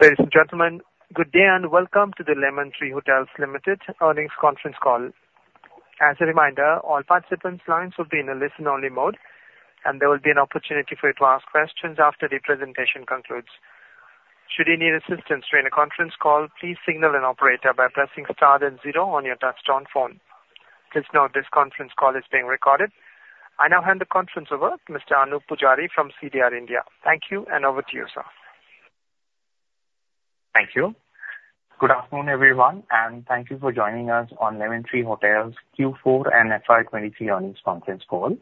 Ladies and gentlemen, good day, and welcome to the Lemon Tree Hotels Limited earnings conference call. As a reminder, all participants' lines will be in a listen-only mode, and there will be an opportunity for you to ask questions after the presentation concludes. Should you need assistance during the conference call, please signal an operator by pressing star then zero on your touchtone phone. Please note this conference call is being recorded. I now hand the conference over to Mr. Anoop Poojari from CDR India. Thank you, and over to you, sir. Thank you. Good afternoon, everyone, and thank you for joining us on Lemon Tree Hotels' Q4 and FY 2023 earnings conference call.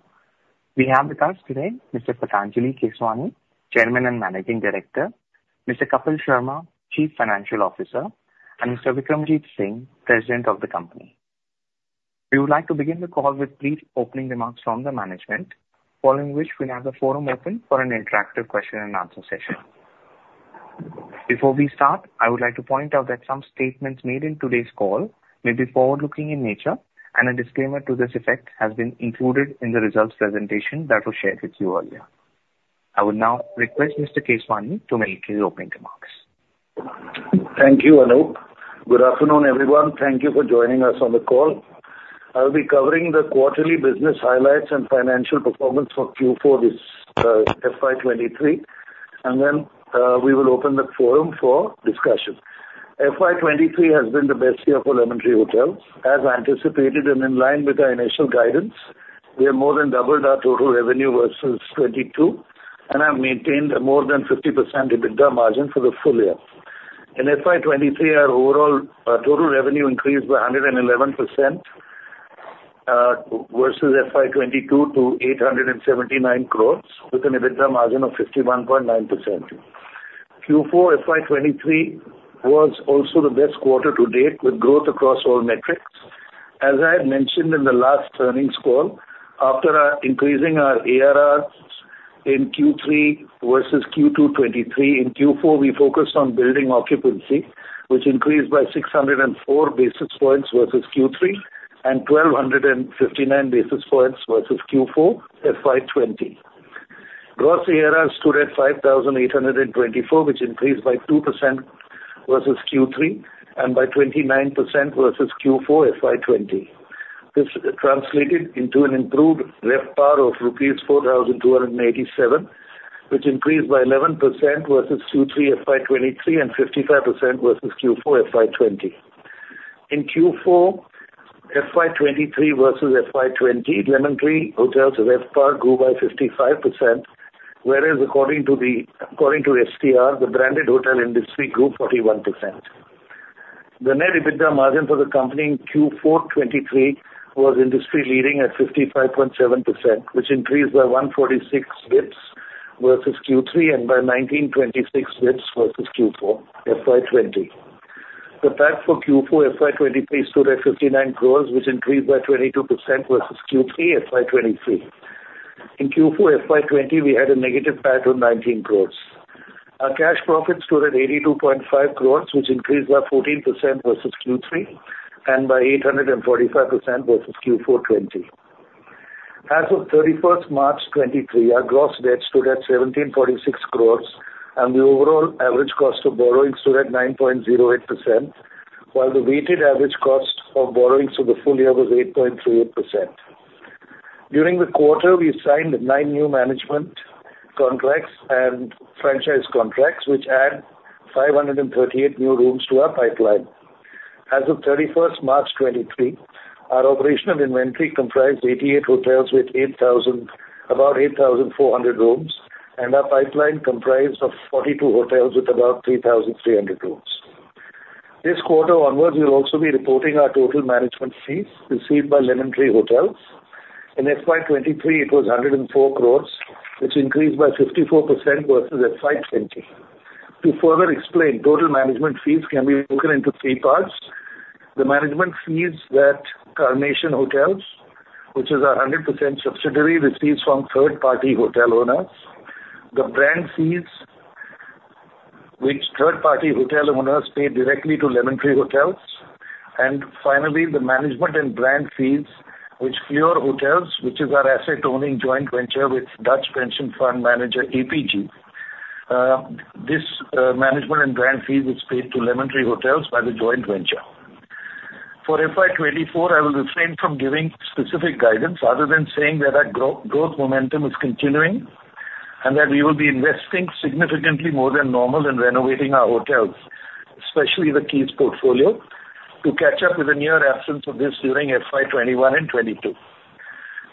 We have with us today Mr. Patanjali Keswani, Chairman and Managing Director, Mr. Kapil Sharma, Chief Financial Officer, and Mr. Vikramjit Singh, President of the company. We would like to begin the call with brief opening remarks from the management, following which we'll have the forum open for an interactive question and answer session. Before we start, I would like to point out that some statements made in today's call may be forward-looking in nature, and a disclaimer to this effect has been included in the results presentation that was shared with you earlier. I would now request Mr. Keswani to make his opening remarks. Thank you, Anoop. Good afternoon, everyone. Thank you for joining us on the call. I will be covering the quarterly business highlights and financial performance for Q4 this FY 2023, and then, we will open the forum for discussion. FY 2023 has been the best year for Lemon Tree Hotels. As anticipated and in line with our initial guidance, we have more than doubled our total revenue versus 2022 and have maintained a more than 50% EBITDA margin for the full year. In FY 2023, our overall total revenue increased by 111% versus FY 2022 to INR 879 crore, with an EBITDA margin of 51.9%. Q4 FY 2023 was also the best quarter to date, with growth across all metrics. As I had mentioned in the last earnings call, after increasing our ARRs in Q3 versus Q2 2023, in Q4, we focused on building occupancy, which increased by 604 basis points versus Q3 and 1,259 basis points versus Q4 FY 2020. Gross ARR stood at 5,824, which increased by 2% versus Q3 and by 29% versus Q4 FY 2020. This translated into an improved RevPAR of rupees 4,287, which increased by 11% versus Q3 FY 2023 and 55% versus Q4 FY 2020. In Q4 FY 2023 versus FY 2020, Lemon Tree Hotels' RevPAR grew by 55%, whereas according to the, according to STR, the branded hotel industry grew 41%. The net EBITDA margin for the company in Q4 2023 was industry-leading at 55.7%, which increased by 146 bps versus Q3 and by 1,926 bps versus Q4 FY2020. The PAT for Q4 FY2023 stood at 59 crores, which increased by 22% versus Q3 FY2023. In Q4 FY2020, we had a negative PAT of 19 crores. Our cash profits stood at 82.5 crores, which increased by 14% versus Q3 and by 845% versus Q4 2020. As of March 31st, 2023, our gross debt stood at 1,746 crores, and the overall average cost of borrowing stood at 9.08%, while the weighted average cost of borrowings for the full year was 8.38%. During the quarter, we signed nine new management contracts and franchise contracts, which add 538 new rooms to our pipeline. As of March 31st, 2023, our operational inventory comprised 88 hotels with 8,000, about 8,400 rooms, and our pipeline comprised of 42 hotels with about 3,300 rooms. This quarter onwards, we will also be reporting our total management fees received by Lemon Tree Hotels. In FY 2023, it was 104 crores, which increased by 54% versus FY 2020. To further explain, total management fees can be broken into three parts: the management fees that Carnation Hotels, which is our 100% subsidiary, receives from third-party hotel owners, the brand fees, which third-party hotel owners pay directly to Lemon Tree Hotels, and finally, the management and brand fees, which Fiore Hotels, which is our asset-owning joint venture with Dutch pension fund manager EPG, this management and brand fees is paid to Lemon Tree Hotels by the joint venture. For FY 2024, I will refrain from giving specific guidance other than saying that our growth, growth momentum is continuing, and that we will be investing significantly more than normal in renovating our hotels, especially the Keys portfolio, to catch up with the near absence of this during FY 2021 and 2022.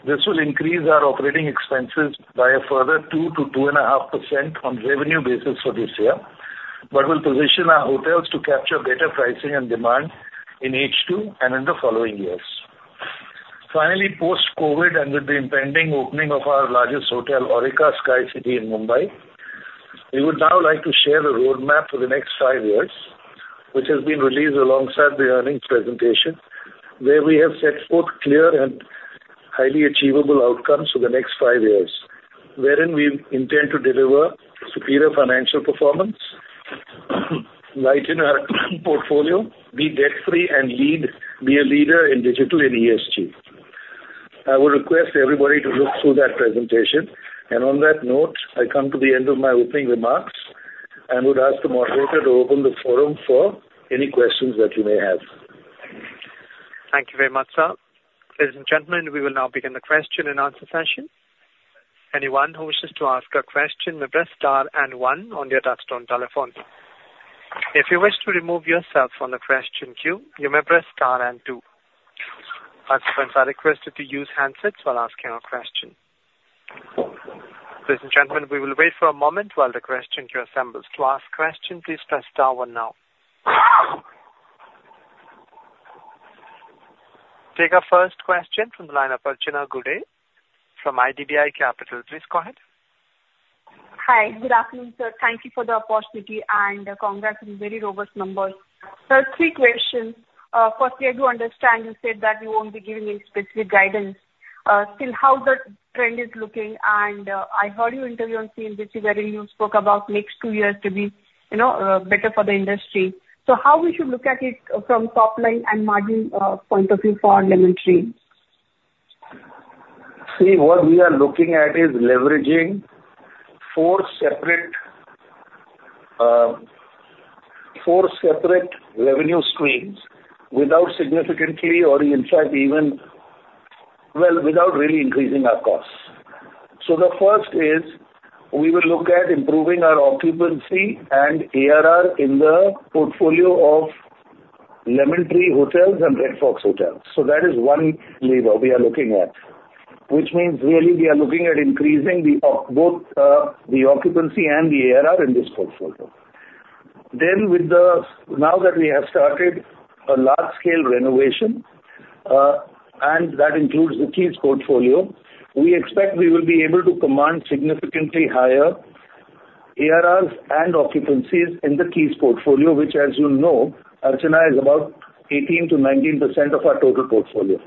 This will increase our operating expenses by a further 2%-2.5% on revenue basis for this year, but will position our hotels to capture better pricing and demand in H2 and in the following years. Finally, post-COVID and with the impending opening of our largest hotel, Aurika, Skycity in Mumbai, we would now like to share a roadmap for the next five years, which has been released alongside the earnings presentation, where we have set forth clear and highly achievable outcomes for the next five years, wherein we intend to deliver superior financial performance, lighten our portfolio, be debt-free, and lead, be a leader in digital and ESG. I would request everybody to look through that presentation, and on that note, I come to the end of my opening remarks, and would ask the moderator to open the forum for any questions that you may have. Thank you very much, sir. Ladies and gentlemen, we will now begin the question and answer session. Anyone who wishes to ask a question, may press star and one on your touchtone telephone. If you wish to remove yourself from the question queue, you may press star and two. Participants are requested to use handsets while asking a question. Ladies and gentlemen, we will wait for a moment while the question queue assembles. To ask question, please press star one now. Take our first question from the line of Archana Gude from IDBI Capital. Please go ahead. Hi. Good afternoon, sir. Thank you for the opportunity and congrats on very robust numbers. Sir, three questions. Firstly, I do understand you said that you won't be giving any specific guidance. Still, how the trend is looking? And I heard your interview on CNBC, wherein you spoke about next two years to be, you know, better for the industry. So how we should look at it from top line and margin, point of view for Lemon Tree? See, what we are looking at is leveraging four separate, four separate revenue streams without significantly or in fact, without really increasing our costs. The first is, we will look at improving our occupancy and ARR in the portfolio of Lemon Tree Hotels and Red Fox Hotels. That is one lever we are looking at, which means really we are looking at increasing both the occupancy and the ARR in this portfolio. Then with the, now that we have started a large scale renovation, and that includes the Keys portfolio, we expect we will be able to command significantly higher ARRs and occupancies in the Keys portfolio, which, as you know, Archana, is about 18%-19% of our total portfolio.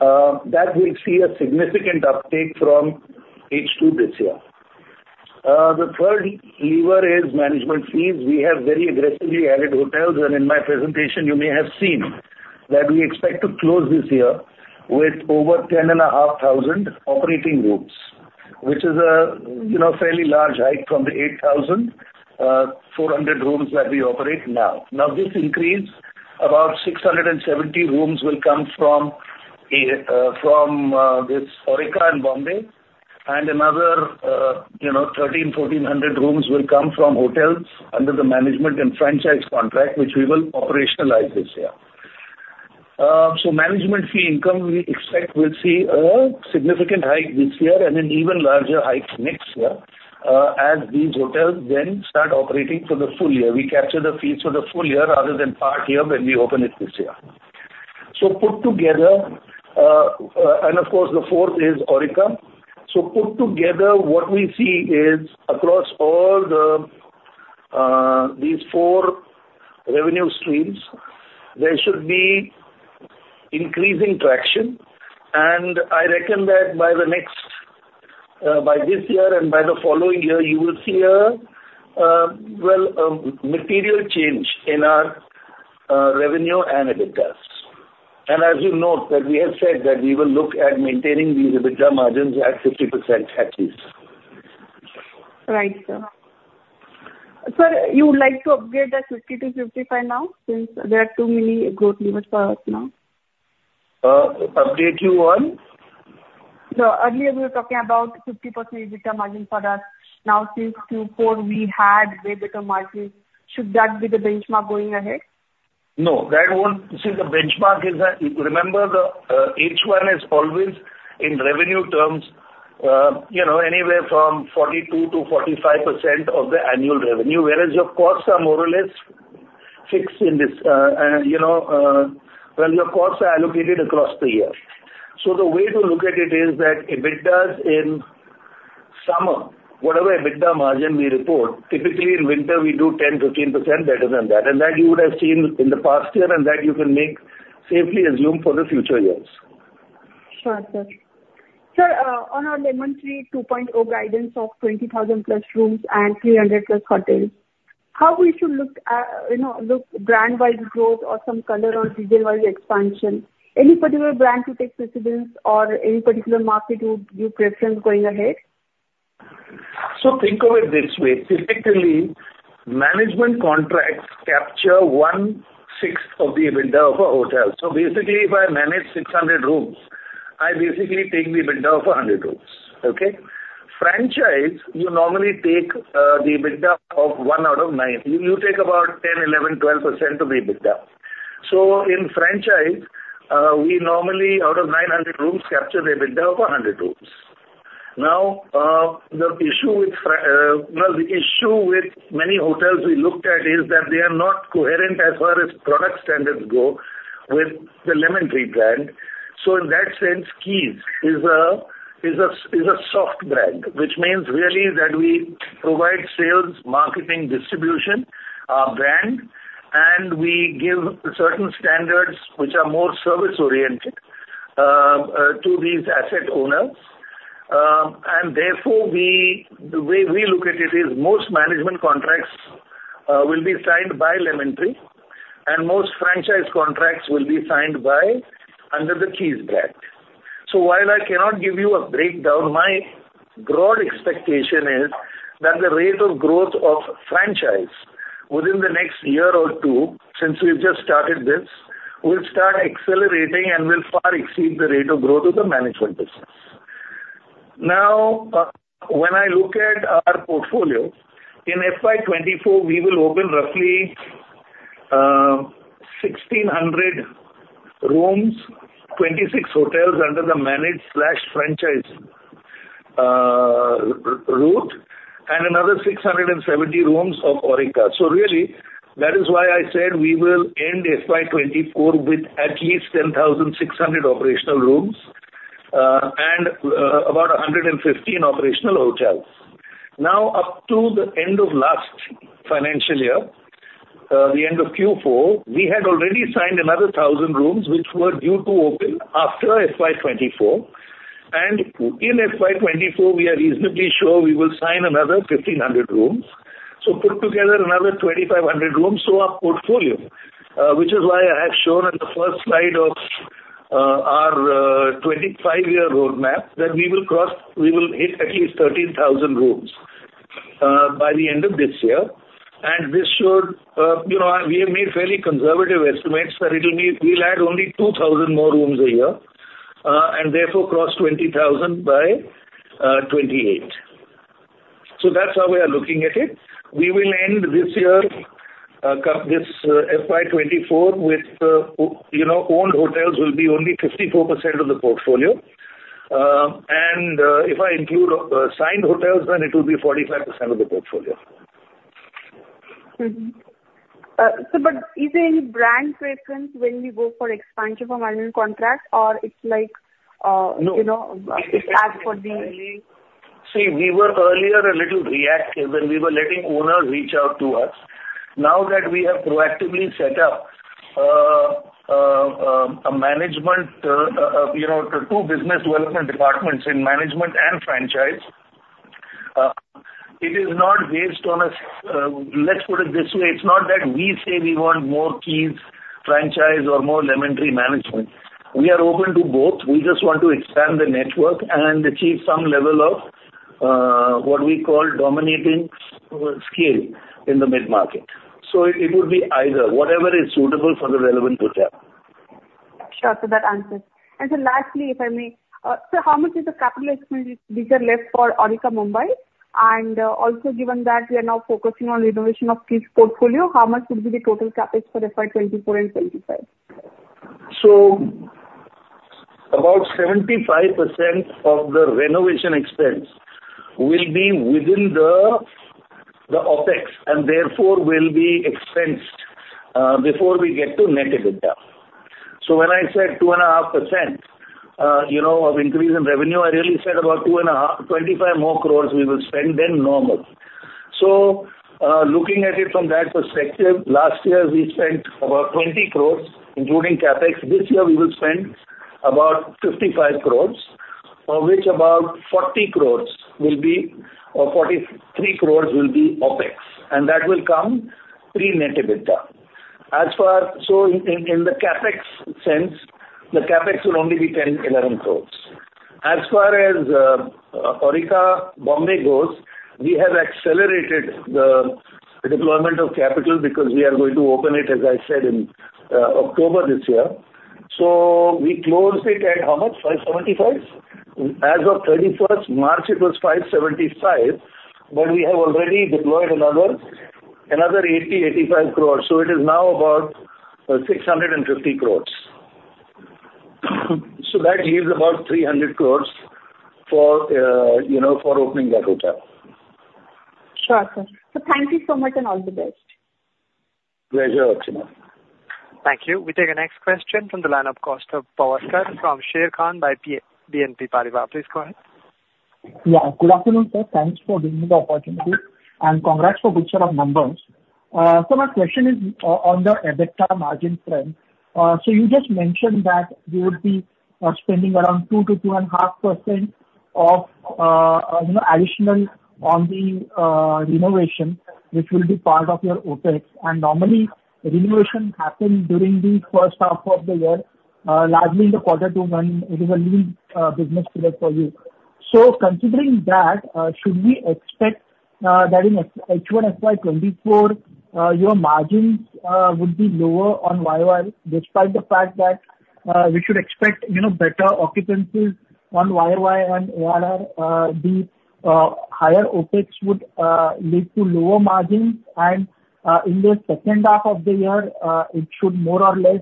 That will see a significant uptake from H2 this year. The third lever is management fees. We have very aggressively added hotels. In my presentation, you may have seen that we expect to close this year with over 10,500 operating rooms, which is a, you know, fairly large hike from the 8,400 rooms that we operate now. Now this increase, about 670 rooms will come from, from this Aurika in Mumbai, another, you know, 1,300-1,400 rooms will come from hotels under the management and franchise contract, which we will operationalize this year. So management fee income, we expect will see a significant hike this year and an even larger hike next year, as these hotels then start operating for the full year. We capture the fees for the full year rather than part year when we open it this year. So put together, and of course, the fourth is Aurika. So put together, what we see is across all the these four revenue streams, there should be increasing traction, and I reckon that by the next, by this year and by the following year, you will see a well, a material change in our revenue and EBITDAs. As you note, that we have said that we will look at maintaining the EBITDA margins at 50% at least. Right, sir. Sir, you would like to upgrade that 50%-55% now, since there are too many growth levers for us now? Update you on? No. Earlier, we were talking about 50% EBITDA margin for us. Now since Q4, we had the EBITDA margin. Should that be the benchmark going ahead? No see the benchmark is the, remember, the H1 is always in revenue terms, you know, anywhere from 42%-45% of the annual revenue, whereas your costs are more or less fixed in this, and you know, well, your costs are allocated across the year. So the way to look at it is that EBITDAs in summer, whatever EBITDA margin we report, typically in winter, we do 10%, 15% better than that. That you would have seen in the past year, and that you can make safely assume for the future years. Sure, sir. Sir, on our Lemon Tree 2.0 guidance of 20,000+ rooms and 300+ hotels, how we should look, you know, brand-wide growth or some color or region-wide expansion? Any particular brand to take precedence or any particular market would you preference going ahead? So think of it this way: effectively, management contracts capture 1/6 of the EBITDA of a hotel. So basically, if I manage 600 rooms, I basically take the EBITDA of 100 rooms. Okay? Franchise, you normally take the EBITDA of one out of nine. You take about 10%, 11%, 12% of the EBITDA. In franchise, we normally, out of 900 rooms, capture the EBITDA of 100 rooms. Now, well, the issue with many hotels we looked at is that they are not coherent as far as product standards go with the Lemon Tree brand. So in that sense, Keys is a soft brand, which means really that we provide sales, marketing, distribution, brand, and we give certain standards which are more service-oriented to these asset owners. And therefore we, the way we look at it is most management contracts will be signed by Lemon Tree, and most franchise contracts will be signed by under the Keys brand. So while I cannot give you a breakdown, my broad expectation is that the rate of growth of franchise within the next year or two, since we've just started this, will start accelerating and will far exceed the rate of growth of the management business. Now when I look at our portfolio, in FY 2024, we will open roughly 1,600 rooms, 26 hotels under the managed/franchise route, and another 670 rooms of Oreca. So really, that is why I said we will end FY 2024 with at least 10,600 operational rooms, and about 115 operational hotels. Now up to the end of last financial year, the end of Q4, we had already signed another 1,000 rooms, which were due to open after FY 2024, and in FY 2024, we are reasonably sure we will sign another 1,500 rooms. So put together another 2,500 rooms to our portfolio, which is why I have shown on the first slide of our 25-year roadmap, that we will hit at least 13,000 rooms by the end of this year. And this should, you know, we have made fairly conservative estimates, that we'll add only 2,000 more rooms a year, and therefore cross 20,000 by 2028. So that's how we are looking at it. We will end this year, this FY 2024, with, you know, owned hotels will be only 54% of the portfolio. And if I include, signed hotels, then it will be 45% of the portfolio. Sir but is there any brand preference when we go for expansion for management contract, or it's like? No. You know, as for. See, we were earlier a little reactive, and we were letting owners reach out to us. Now that we have proactively set up a management, you know, two business development departments in management and franchise, it is not based on let's put it this way: It's not that we say we want more Keys franchise or more Lemon Tree management. We are open to both. We just want to expand the network and achieve some level of what we call dominating scale in the mid-market. So it would be either, whatever is suitable for the relevant hotel. Sure, sir. That answers. And sir lastly, if I may, how much is the capital expenditure left for Aurika, Mumbai? And llso, given that we are now focusing on renovation of Keys portfolio, how much would be the total CapEx for FY 2024 and 2025? So about 75% of the renovation expense will be within the OpEx, and therefore will be expensed before we get to net EBITDA. So when I said 2.5%, you know, of increase in revenue, I really said about 2.5%, 25 crore more we will spend than normal. So looking at it from that perspective, last year we spent about 20 crore, including CapEx. This year we will spend about 55 crore, of which about 40 crore will be, or 43 crore will be OpEx, and that will come pre-net EBITDA. In the CapEx sense, the CapEx will only be 10 crore, 11 crore. As far as Aurika, Mumbai, goes, we have accelerated the deployment of capital because we are going to open it, as I said, in October this year. So we closed it at how much? 575 crores? As of March 31st, it was 575 crores. When we have already deployed another, another 80 crores, 85 crores. So it is now about 650 crores. So that leaves about 300 crores for, you know, for opening that hotel. Sure, sir. Thank you so much, and all the best. Pleasure, Archana. Thank you. We take the next question from the line of Kaustubh Pawaskar from Sharekhan by BNP Paribas. Please go ahead. Yeah, good afternoon, sir. Thanks for giving me the opportunity, and congrats for good set of numbers. So my question is on the EBITDA margin front. So you just mentioned that you would be spending around 2.5% of, you know, additional on the renovation, which will be part of your OpEx. Normally, renovation happens during the first half of the year, largely in the quarter two, when it is a lean business period for you. So considering that, should we expect that in H1 FY24, your margins would be lower on YOY, despite the fact that we should expect, you know, better occupancies on YOY and ORR, the higher OpEx would lead to lower margins, and in the second half of the year, it should more or less,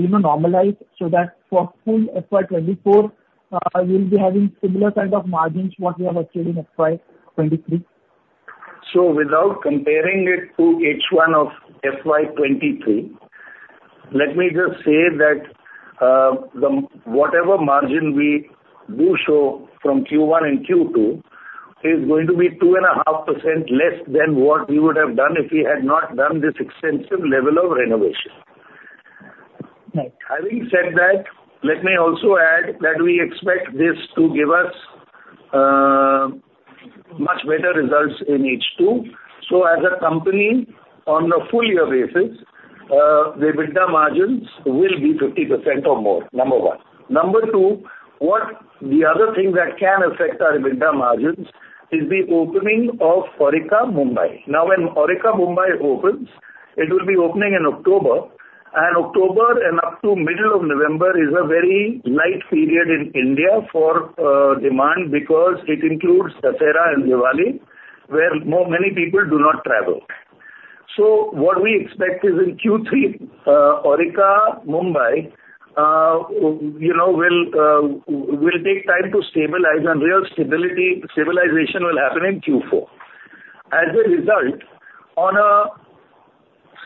you know, normalize so that for full FY24, we'll be having similar kind of margins what we have actually in FY23? So without comparing it to H1 of FY 2023, let me just say that whatever margin we do show from Q1 and Q2 is going to be 2.5% less than what we would have done if we had not done this extensive level of renovation. Having said that, let me also add that we expect this to give us much better results in H2. So as a company, on a full year basis, the EBITDA margins will be 50% or more, number one. Number two, what the other thing that can affect our EBITDA margins is the opening of Aurika, Mumbai. Now when Aurika, Mumbai, opens, it will be opening in October, and October and up to middle of November is a very light period in India for demand because it includes Dussehra and Diwali, where more, many people do not travel. What we expect is in Q3, Aurika, Mumbai, you know, will will take time to stabilize, and stabilization will happen in Q4. As a result, on a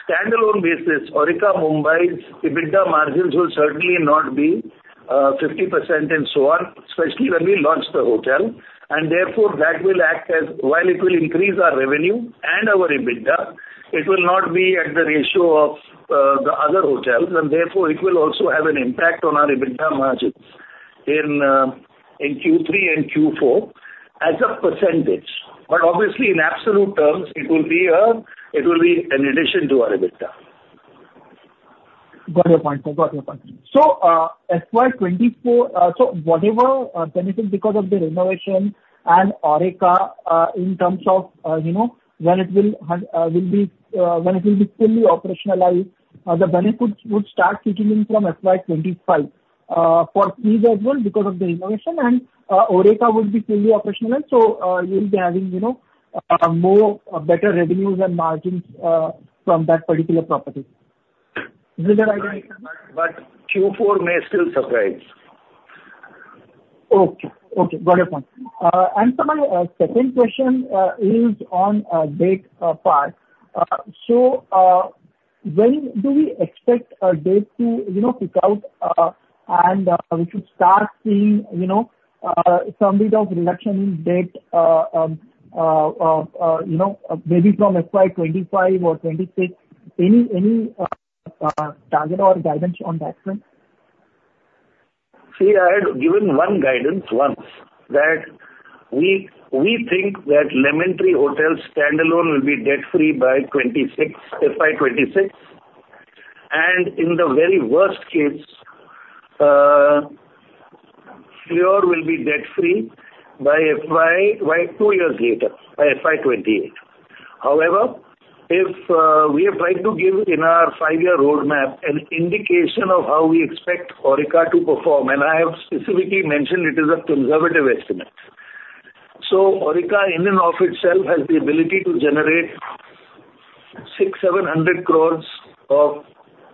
standalone basis, Aurika, Mumbai's, EBITDA margins will certainly not be 50% and so on, especially when we launch the hotel. And therefore, that will act as while it will increase our revenue and our EBITDA, it will not be at the ratio of the other hotels, and therefore it will also have an impact on our EBITDA margins in Q3 and Q4 as a percentage. obviously, in absolute terms, it will be an addition to our EBITDA. Got your point, sir. Got your point. So FY 2024, so whatever benefit because of the renovation and Oreca, in terms of, you know, when it will have, will be, when it will be fully operationalized, the benefits would start kicking in from FY 2025, for fees as well, because of the innovation and Oreca would be fully operational. So you'll be having, you know, more better revenues and margins from that particular property. Is it right? Q4 may still surprise. Okay. Okay, got your point. And sir, my second question is on debt part. So when do we expect our debt to, you know, pick out, and we should start seeing, you know, some bit of reduction in debt, you know, maybe from FY 2025 or FY 2026? Any, any target or guidance on that front? See, I had given one guidance once, that we think that Lemon Tree Hotels standalone will be debt-free by 2026, FY 2026. In the very worst case, Fleur will be debt-free by FY, by two years later, by FY 2028. However, if we are trying to give in our five year roadmap an indication of how we expect Aurika to perform, and I have specifically mentioned it is a conservative estimate. So Aurika, in and of itself, has the ability to generate 600 crores-700 crores of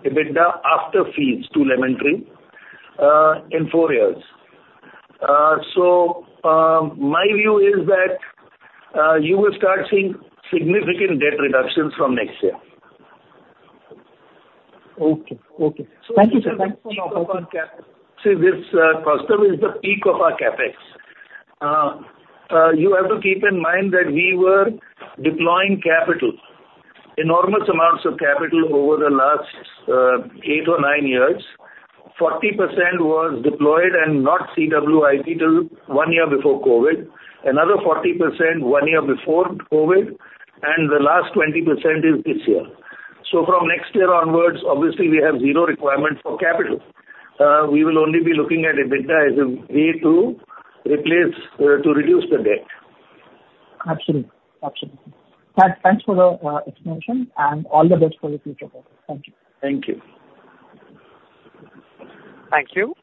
EBITDA after fees to Lemon Tree, in four years. My view is that you will start seeing significant debt reductions from next year. Okay. Okay. Thank you, sir. Thanks for the. See, this, first term, is the peak of our CapEx. You have to keep in mind that we were deploying capital, enormous amounts of capital over the last eight or nine years. 40% was deployed and not CWIP till one year before COVID, another 40% one year before COVID, and the last 20% is this year. So from next year onwards, obviously, we have zero requirement for capital. We will only be looking at EBITDA as a way to replace, to reduce the debt. Absolutely. Thanks, thanks for the explanation and all the best for the future. Thank you. Thank you. Thank you.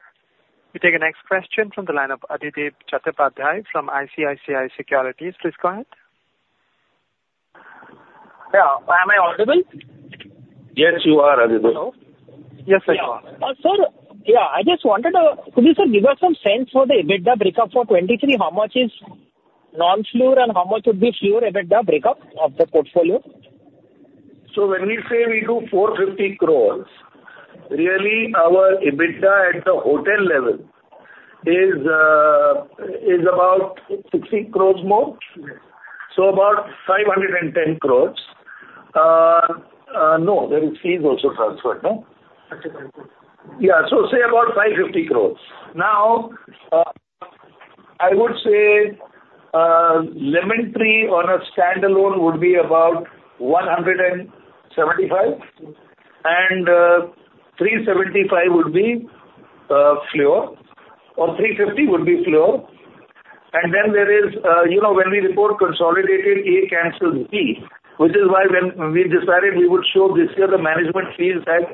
We take the next question from the line of Adhidev Chattopadhyay from ICICI Securities. Please go ahead. Yeah. Am I audible? Yes, you are audible. Yes, I are. Sir, yeah, I just wanted to, could you, sir, give us some sense for the EBITDA breakup for 2023? How much is non-Fleur and how much would be Fleur EBITDA breakup of the portfolio? When we say we do 450 crores, really, our EBITDA at the hotel level is is about 60 crores more. Yes. So about 510 crores. no, there is fees also transferred, no? Okay, fine. Yeah. Say about 550 crores. Now, I would say Lemon Tree on a standalone would be about 175 crore, and 375 crore would be Fleur, or 350 crore would be Fleur. There is, you know, when we report consolidated, A cancels B, which is why when we decided we would show this year the management fees that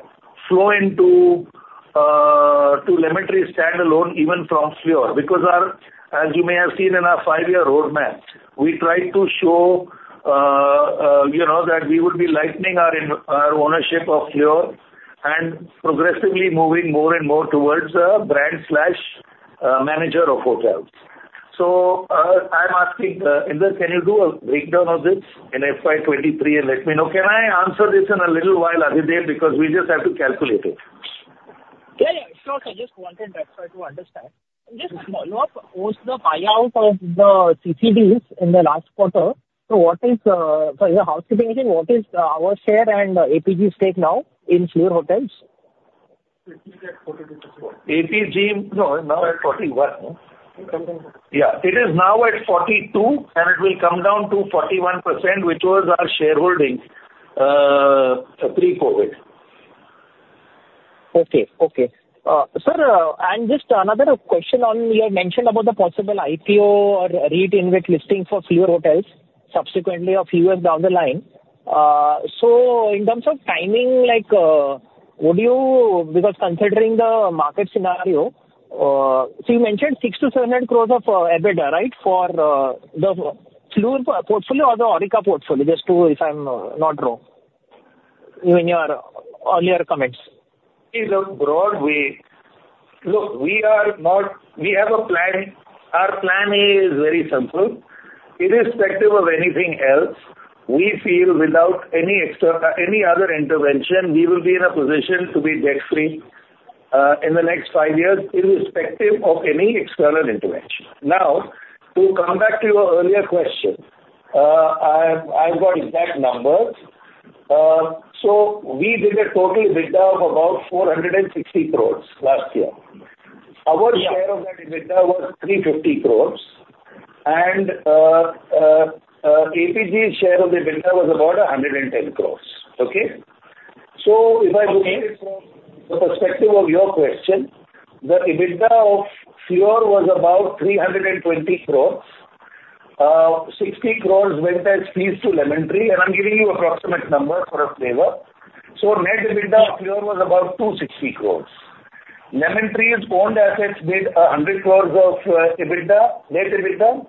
flow into Lemon Tree standalone, even from Fleur. As you may have seen in our five year roadmap, we try to show, you know, that we would be lightening our ownership of Fleur and progressively moving more and more towards a brand slash manager of hotels. So I'm asking Inder, can you do a breakdown of this in FY 2023 and let me know? Can I answer this in a little while, Adhidev, because we just have to calculate it. Yeah, sure, sir. Just wanted that, sir, to understand. Just follow up on the payout of the CCDs in the last quarter. So what is, so yeah what is our share and APG stake now in Fleur Hotels? APG, now at 41%. Yeah, it is now at 42%. And it will come down to 41%, which was our shareholding pre-COVID. Okay, okay. Sir, just another question on, you had mentioned about the possible IPO or REIT InvIT listing for Fleur Hotels, subsequently, a few years down the line. So in terms of timing, like, what do you, because considering the market scenario, you mentioned 600 crore-700 crores of EBITDA, right? For the Fleur portfolio or the Oreca portfolio, just to, if I'm not wrong, in your earlier comments. In a broad way. Look, We have a plan. Our plan is very simple. Irrespective of anything else, we feel without any extra, any other intervention, we will be in a position to be debt-free, in the next five years, irrespective of any external intervention. Now to come back to your earlier question, I've got exact numbers. So we did a total EBITDA of about 460 crores last year. Yeah. Our share of that EBITDA was 350 crores and APG share of the EBITDA was about 110 crores. Okay? So if I look at it from the perspective of your question, the EBITDA of Fleur was about 320 crores. 60 crores went as fees to Lemon Tree, and I'm giving you approximate numbers for a flavor. So net EBITDA of Fleur was about 260 crores. Lemon Tree's owned assets made 100 crores of EBITDA, net EBITDA.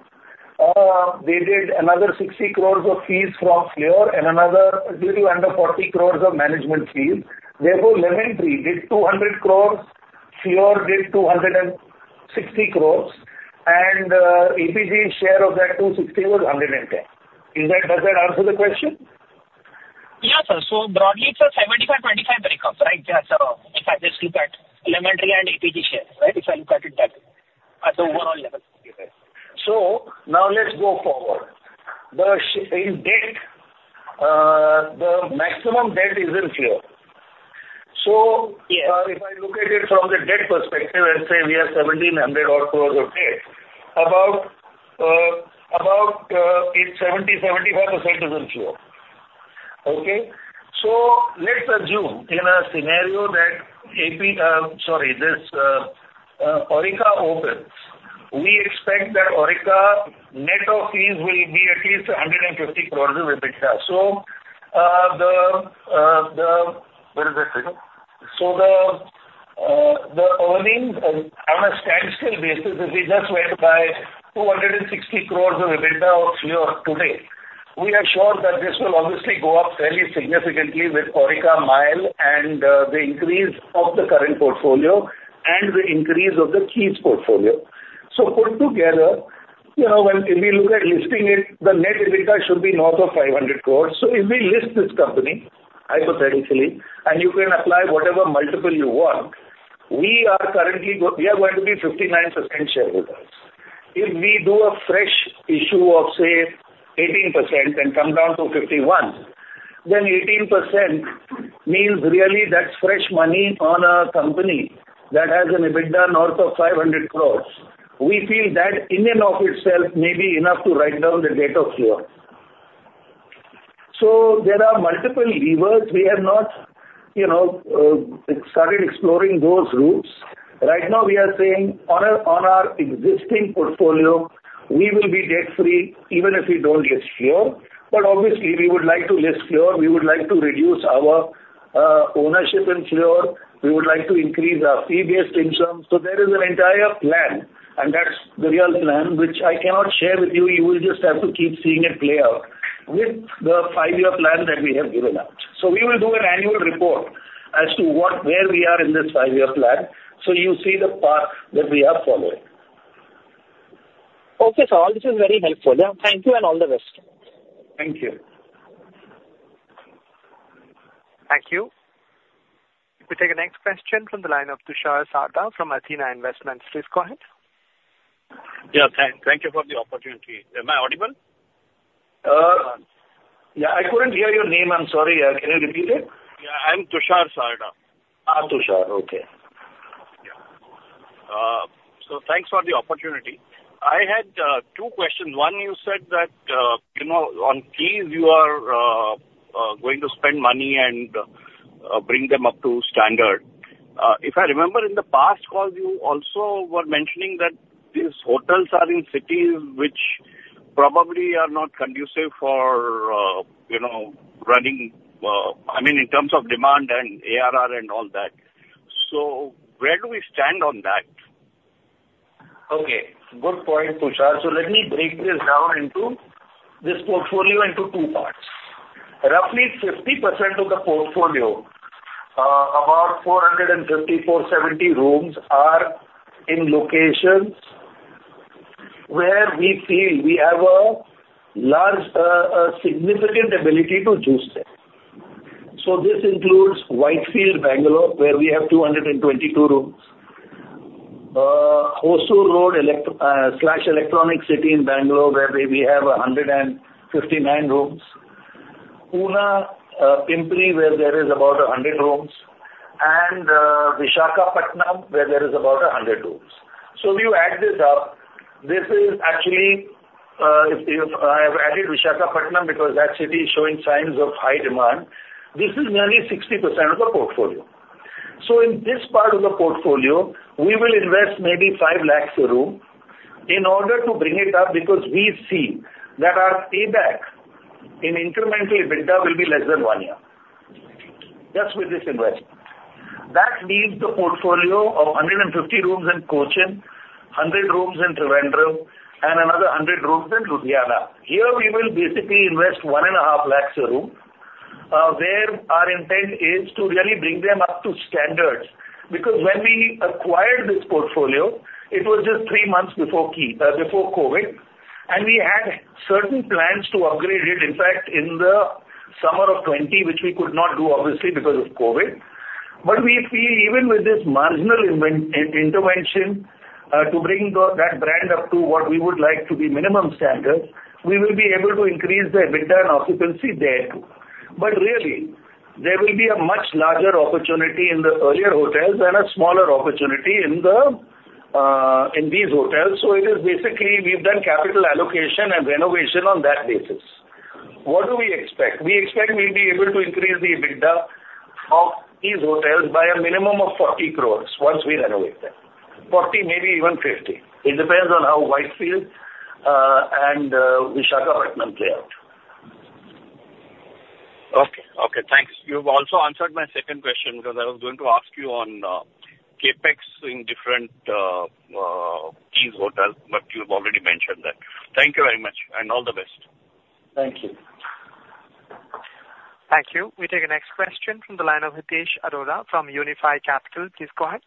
They did another 60 crores of fees from Fleur and another maybe under 40 crores of management fees. Therefore Lemon Tree did 200 crores, Fleur did 260 crores, and APG's share of that 260 crores was 110 crores. Does that answer the question? Yeah, sir. Broadly, it's a 75, 25 breakup, right? If I just look at Lemon Tree and APG share, right, if I look at it that, at the overall level. So now let's go forward. The in debt, the maximum debt is in Fleur. Yeah. If I look at it from the debt perspective, and say we have 1,700 odd crores of debt, about 70%-75% is in Fleur. Okay? So let's assume in a scenario that, sorry this Oreca opens. We expect that Oreca net of fees will be at least 150 crores rupees of EBITDA. So the, the, where is that figure? So the, the earnings on a standstill basis, if we just went by 260 crores of EBITDA of Fleur today, we are sure that this will obviously go up fairly significantly with Oreca Mile and the increase of the current portfolio and the increase of the Keys portfolio. So put together, you know, when, if we look at listing it, the net EBITDA should be north of 500 crores. So if we list this company, hypothetically, and you can apply whatever multiple you want, we are going to be 59% shareholders. If we do a fresh issue of, say, 18% and come down to 51%, then 18% means really that's fresh money on a company that has an EBITDA north of 500 crores. We feel that in and of itself may be enough to write down the debt of Fleur. There are multiple levers. We have not, you know, started exploring those routes. Right now, we are saying on our existing portfolio, we will be debt free, even if we don't list Fleur. But obviously, we would like to list Fleur, we would like to reduce our ownership in Fleur, we would like to increase our fee-based income. So there is an entire plan, and that's the real plan, which I cannot share with you. You will just have to keep seeing it play out with the five-year plan that we have given out. We will do an annual report as to where we are in this five-year plan, so you see the path that we are following. Okay, sir. All this is very helpful. Yeah, thank you and all the best. Thank you. Thank you. We take the next question from the line of Tushar Sarda from Athena Investments. Please go ahead. Yeah, thanks. Thank you for the opportunity. Am I audible? Yeah, I couldn't hear your name. I'm sorry, can you repeat it? Yeah, I'm Tushar Sarda. Tushar, okay. Yeah. Thanks for the opportunity. I had two questions. One, you said that, you know, on Keys, you are going to spend money and bring them up to standard. If I remember in the past calls, you also were mentioning that these hotels are in cities which probably are not conducive for, you know, running, I mean, in terms of demand and ARR and all that. So where do we stand on that? Okay, good point, Tushar. Let me break this down into, this portfolio into two parts. Roughly 50% of the portfolio, about 450, 470 rooms are in locations where we feel we have a large, significant ability to juice them. So this includes Whitefield, Bangalore, where we have 222 rooms, Hosur Road, slash Electronic City in Bangalore, where we have 159 rooms. Pune, Pimpri, where there is about 100 rooms, and Visakhapatnam, where there is about 100 rooms. So if you add this up, this is actually, if you, I have added Visakhapatnam because that city is showing signs of high demand. This is nearly 60% of the portfolio. In this part of the portfolio, we will invest maybe 5 lakhs a room in order to bring it up, because we see that our payback in incremental EBITDA will be less than one year, just with this investment. That leaves the portfolio of 150 rooms in Cochin, 100 rooms in Trivandrum, and another 100 rooms in Ludhiana. Here, we will basically invest 1.5 lakhs a room, where our intent is to really bring them up to standards, because when we acquired this portfolio, it was just three months before key, before COVID, and we had certain plans to upgrade it, in fact, in the summer of 2020, which we could not do, obviously, because of COVID. We feel even with this marginal intervention to bring the, that brand up to what we would like to be minimum standard, we will be able to increase the EBITDA and occupancy there. But really, there will be a much larger opportunity in the earlier hotels and a smaller opportunity in these hotels. It is basically, we've done capital allocation and renovation on that basis. What do we expect? We expect we'll be able to increase the EBITDA of these hotels by a minimum of 40 crore once we renovate them. 40 crore, maybe even 50 crore. It depends on how Whitefield and Visakhapatnam play out. Okay. Okay, thanks. You've also answered my second question, because I was going to ask you on, CapEx in different, Keys Hotel, but you've already mentioned that. Thank you very much, and all the best. Thank you. Thank you. We take the next question from the line of Hitesh Arora from Unifi Capital. Please go ahead.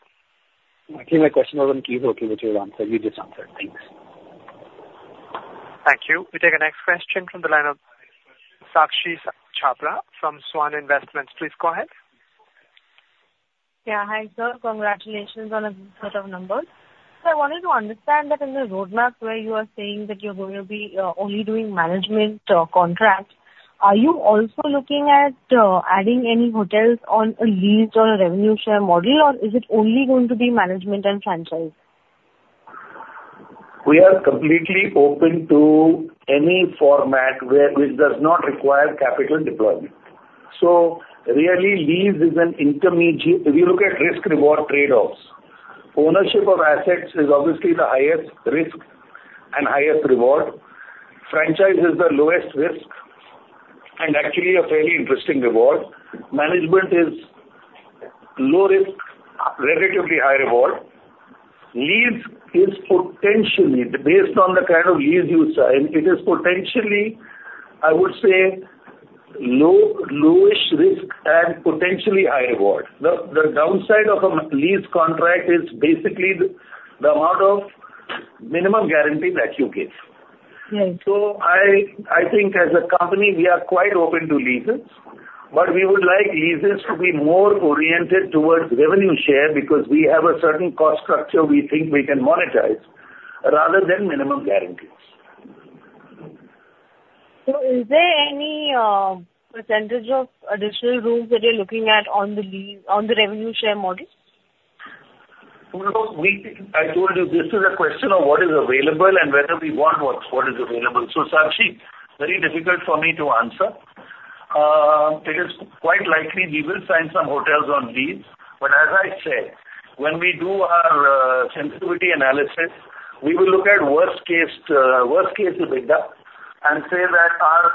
I think my question was on Keys Hotel, which you answered. You just answered. Thanks. Thank you. We take the next question from the line of Sakshi Chhabra from Swan Investments. Please go ahead. Yeah. Hi, sir. Congratulations on a good set of numbers. Sir I wanted to understand that in the roadmap where you are saying that you're going to be only doing management contracts, are you also looking at adding any hotels on a lease or a revenue share model, or is it only going to be management and franchise? We are completely open to any format where, which does not require capital deployment. So really, lease is an intermediate. If you look at risk/reward trade-offs, ownership of assets is obviously the highest risk and highest reward. Franchise is the lowest risk and actually a fairly interesting reward. Management is low risk, relatively high reward. Lease is potentially, based on the kind of lease you sign, it is potentially, I would say, low lowish risk and potentially high reward. The downside of a lease contract is basically the amount of minimum guarantees that you give. Right. I think as a company, we are quite open to leases, but we would like leases to be more oriented towards revenue share because we have a certain cost structure we think we can monetize rather than minimum guarantees. So is there any percentage of additional rooms that you're looking at on the lease, on the revenue share model? Look, we told you, this is a question of what is available and whether we want what's, what is available. Sakshi, very difficult for me to answer. It is quite likely we will sign some hotels on lease, but as I said, when we do our sensitivity analysis, we will look at worst-case, worst case EBITDA and say that our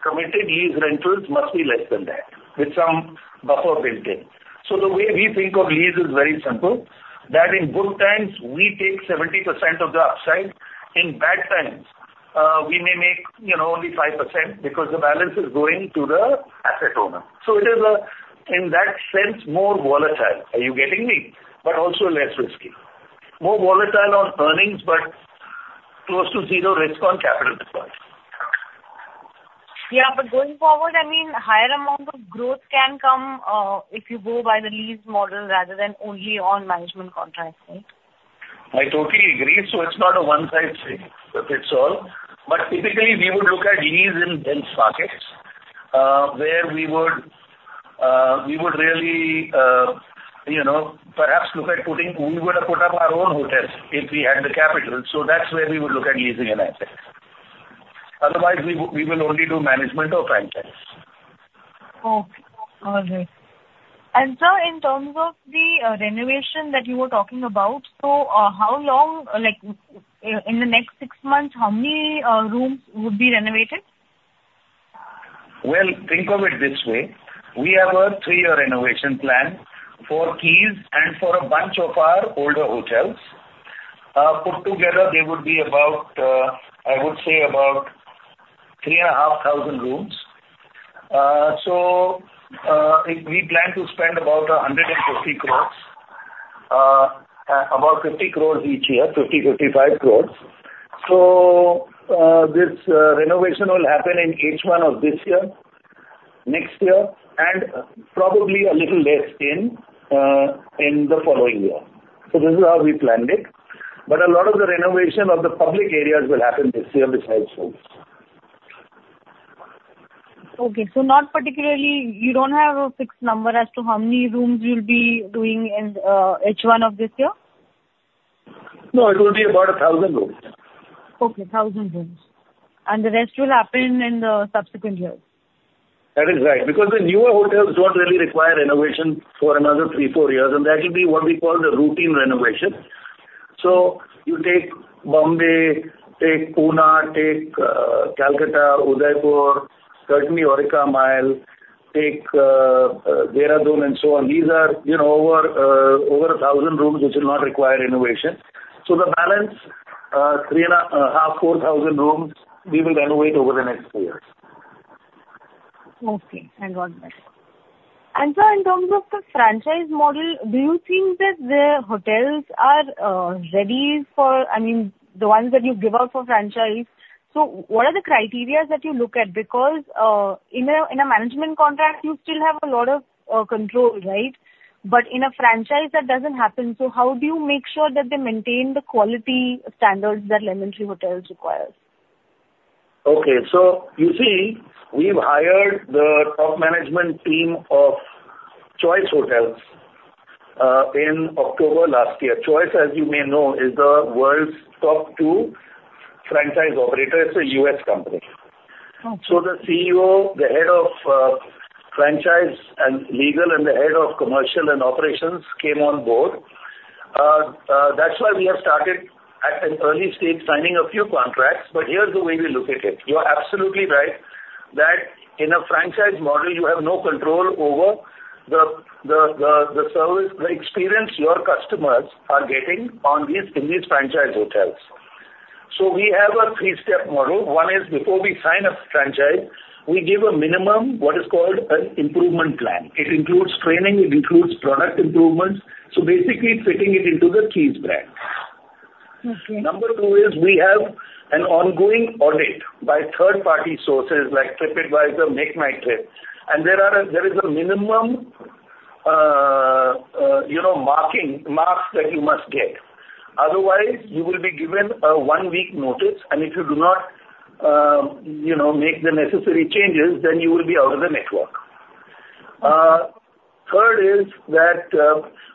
committed lease rentals must be less than that, with some buffer built in. The way we think of lease is very simple, that in good times, we take 70% of the upside. In bad times, we may make, you know, only 5% because the balance is going to the asset owner. So it is a, in that sense, more volatile. Are you getting me? But also less risky. More volatile on earnings, but close to zero risk on capital deployment. Yeah, but going forward, I mean, higher amount of growth can come, if you go by the lease model rather than only on management contracts, right? I totally agree. It's not a one-size-fits-all, but typically, we would look at lease in markets, where we would, we would really, you know, perhaps look at putting up our own hotels if we had the capital. So that's where we would look at leasing an asset. Otherwise, we will only do management or franchise. Okay. All right. Sir, in terms of the renovation that you were talking about, how long, like, in the next six months, how many rooms would be renovated? Well, think of it this way: We have a three year renovation plan for Keys and for a bunch of our older hotels. Put together, they would be about, I would say about 3,500 rooms. So we plan to spend about 150 crores, about 50 crores each year, 50 crores, 55 crores. This renovation will happen in H1 of this year, next year, and probably a little less in in the following year. This is how we planned it, but a lot of the renovation of the public areas will happen this year besides rooms. Okay. So not particularly, you don't have a fixed number as to how many rooms you'll be doing in H1 of this year? No, it will be about 1,000 rooms. Okay, 1,000 rooms. And the rest will happen in the subsequent years? That is right, because the newer hotels don't really require renovation for another 3-4 years, and that will be what we call the routine renovation. You take Bombay, take Pune, take Calcutta, Udaipur, certainly Aurika, Mile, take Dehradun, and so on. These are, you know, over 1,000 rooms, which will not require renovation. So the balance, 3500-4000 rooms, we will renovate over the next four years. Okay, I got that. And sir, in terms of the franchise model, do you think that the hotels are ready for, I mean, the ones that you give out for franchise? What are the criteria that you look at? Because in a management contract, you still have a lot of control, right? But in a franchise, that doesn't happen. How do you make sure that they maintain the quality standards that Lemon Tree Hotels requires? Okat, you see, we've hired the top management team of Choice Hotels in October last year. Choice, as you may know, is the world's top two franchise operator. It's a U.S. company. Okay. The CEO, the head of franchise and legal, and the head of commercial and operations came on board. That's why we have started at an early stage, signing a few contracts, but here's the way we look at it. You are absolutely right, that in a franchise model, you have no control over the service, the experience your customers are getting in these franchise hotels. We have a three-step model. One is, before we sign a franchise, we give a minimum, what is called an improvement plan. It includes training, it includes product improvements, so basically, fitting it into the Keys brand. Okay. Number two is we have an ongoing audit by third-party sources like TripAdvisor, MakeMyTrip, and there is a minimum, you know, marking, marks that you must get. Otherwise, you will be given a one-week notice. And if you do not, you know, make the necessary changes, you will be out of the network. Third is that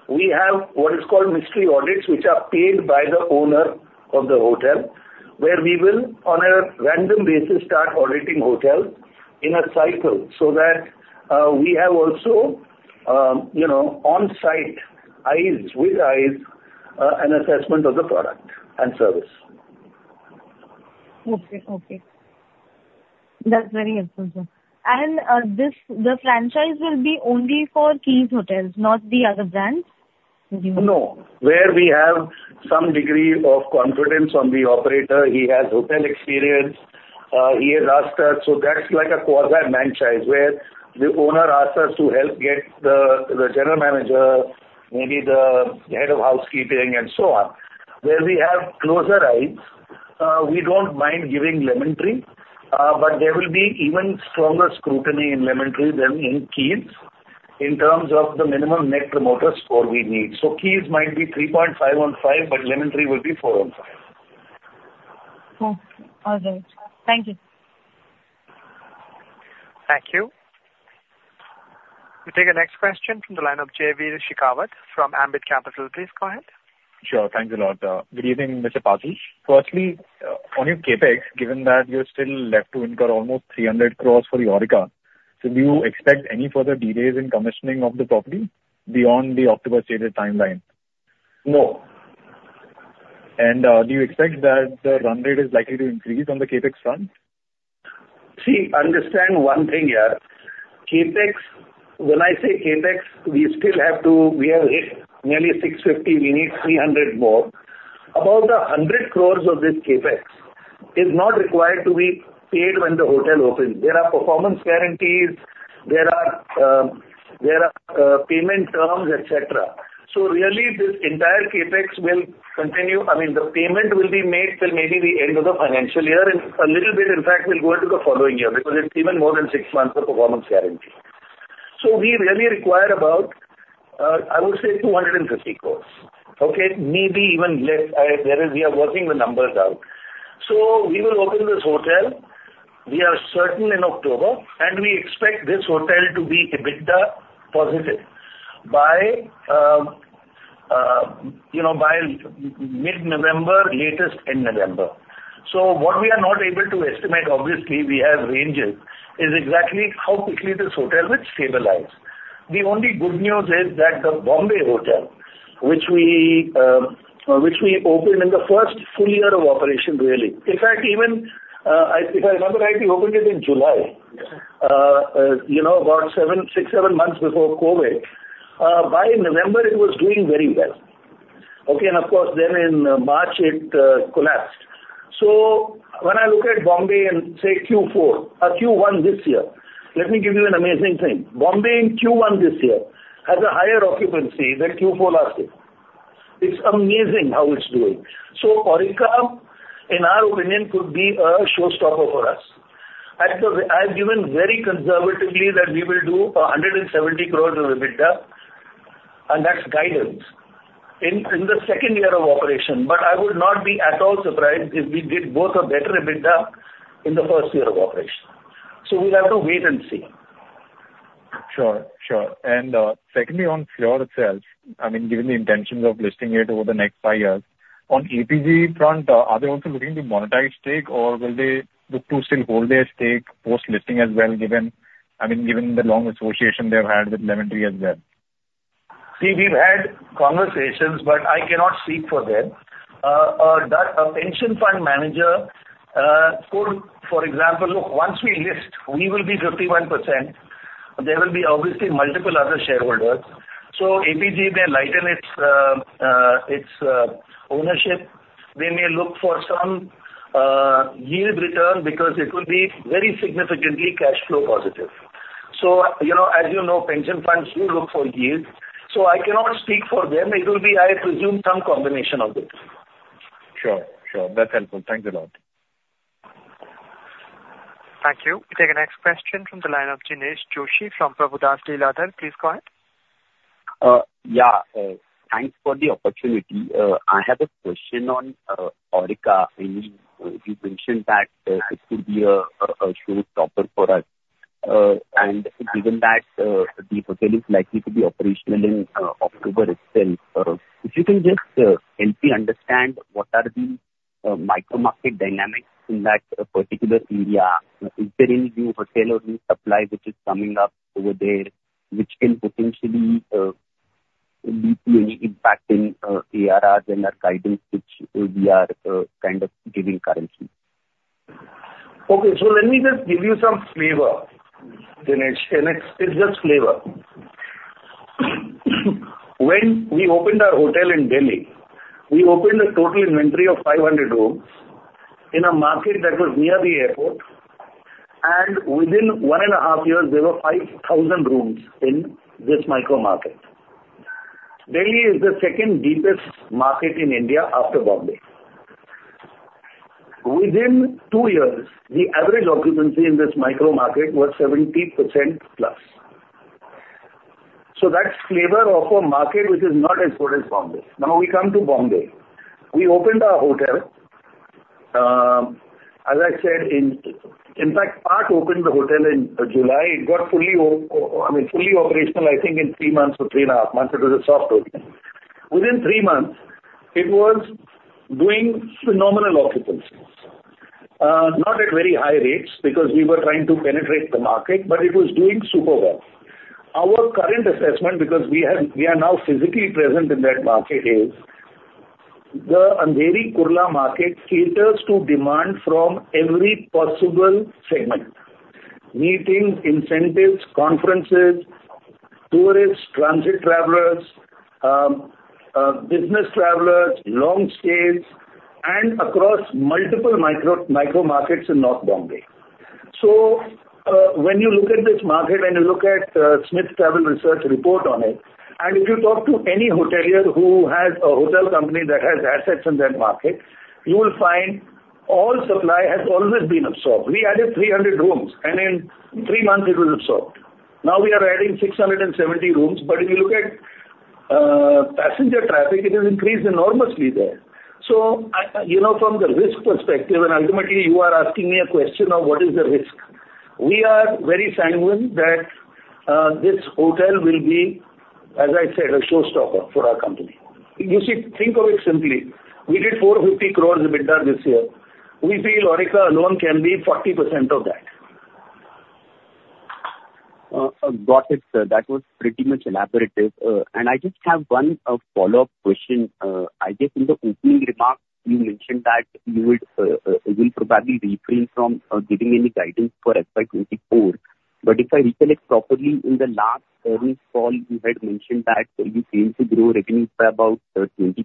we have what is called mystery audits, which are paid by the owner of the hotel, where we will, on a random basis, start auditing hotels in a cycle, so that we have also, you know, on-site eyes, with eyes, an assessment of the product and service. Okay, okay. That's very helpful, sir. And this, the franchise will be only for Keys hotels, not the other brands? No. Where we have some degree of confidence on the operator, he has hotel experience, he has asked us, so that's like a core brand franchise, where the owner asks us to help get the general manager, maybe the head of housekeeping and so on. Where we have closer eyes, we don't mind giving Lemon Tree, but there will be even stronger scrutiny in Lemon Tree than in Keys, in terms of the minimum net promoter score we need. Keys might be 3.5 on five, but Lemon Tree will be four on five. Okay. All right. Thank you. Thank you. We take the next question from the line of Jaiveer Shekhawat from Ambit Capital. Please go ahead. Sure. Thanks a lot. Good evening, Mr. Firstly, on your CapEx, given that you're still left to incur almost 300 crores for the Oreca, do you expect any further delays in commissioning of the property beyond the October stated timeline? No. And do you expect that the run rate is likely to increase on the CapEx front? See, understand one thing here. CapEx, when I say CapEx, we have hit nearly 650 crores, we need 300 crores more. About 100 crores of this CapEx is not required to be paid when the hotel opens. There are performance guarantees, there are payment terms, et cetera. Really, this entire CapEx will continue, I mean, the payment will be made till maybe the end of the financial year, and a little bit, in fact, will go into the following year, because it's even more than six months of performance guarantee. So we really require about, I would say 250 crores. Okay? Maybe even less. We are working the numbers out. We will open this hotel, we are certain in October, and we expect this hotel to be EBITDA positive by you know, by mid-November, latest end November. So what we are not able to estimate, obviously, we have ranges, is exactly how quickly this hotel will stabilize. The only good news is that the Bombay hotel, which we, which we opened in the first full year of operation, really. In fact, even, if I remember right, we opened it in July, you know, about seven, six, seven months before COVID. By November, it was doing very well. Of course, then in March, it collapsed. When I look at Bombay in, say, Q4 or Q1 this year, let me give you an amazing thing. Bombay, in Q1 this year, has a higher occupancy than Q4 last year. It's amazing how it's doing! So Oreca, in our opinion, could be a showstopper for us. I've given very conservatively that we will do 170 crore in EBITDA, and that's guidance in the second year of operation. But I would not be at all surprised if we did both a better EBITDA in the first year of operation. So we'll have to wait and see. Sure, sure. And secondly, on Fleur itself, I mean, given the intentions of listing it over the next five years, on APG front, are they also looking to monetize stake, or will they look to still hold their stake post-listing as well, given, I mean, given the long association they've had with Lemon Tree as well? See, we've had conversations, but I cannot speak for them. A pension fund manager could, for example, look, once we list, we will be 51%. And there will be obviously multiple other shareholders. APG may lighten it's it's ownership. They may look for some yield return because it will be very significantly cash flow positive. you know, as you know, pension funds do look for yield, so I cannot speak for them. It will be, I presume, some combination of the two. Sure. Sure. That's helpful. Thank you a lot. Thank you. We take the next question from the line of Jinesh Joshi from Prabhudas Lilladher. Please go ahead. Yeah, thanks for the opportunity. I have a question on Oreca. I mean, you mentioned that it could be a showstopper for us. And given that the hotel is likely to be operational in October itself, so if you can just help me understand what are the micro-market dynamics in that particular area? Is there any new hotel or new supply which is coming up over there, which can potentially lead to any impact in ARR and our guidance, which we are kind of giving currently? Okay. Let me just give you some flavor, Dinesh, and it's just flavor. When we opened our hotel in Delhi, we opened a total inventory of 500 rooms in a market that was near the airport, and within one and a half years, there were 5,000 rooms in this micro market. Delhi is the second deepest market in India after Bombay. Within two years, the average occupancy in this micro market was 70%+. So that's flavor of a market which is not as good as Bombay. Now, we come to Bombay. We opened our hotel, as I said, in fact, part opened the hotel in July. It got fully operational, I think, in three months or three and a half months. It was a soft opening. Within three months, it was doing phenomenal occupancies. Not at very high rates, because we were trying to penetrate the market, but it was doing super well. Our current assessment, because we are now physically present in that market, is the Andheri Kurla market caters to demand from every possible segment: meetings, incentives, conferences, tourists, transit travelers, business travelers, long stays, and across multiple micro markets in North Bombay. So when you look at this market, when you look at Smith Travel Research report on it, and if you talk to any hotelier who has a hotel company that has assets in that market, you will find all supply has always been absorbed. We added 300 rooms, and in three months it was absorbed. Now we are adding 670 rooms, but if you look at passenger traffic, it has increased enormously there. So, you know, from the risk perspective, ultimately, you are asking me a question of what is the risk? We are very sanguine that this hotel will be, as I said, a showstopper for our company. You see, think of it simply: We did 450 crores EBITDA this year. We feel Oreca alone can be 40% of that. Got it. That was pretty much elaborative. I just have one follow-up question. I think in the opening remarks, you mentioned that you would will probably refrain from giving any guidance for FY 2024. But if I recollect properly, in the last earnings call, you had mentioned that you aim to grow revenues by about 20%,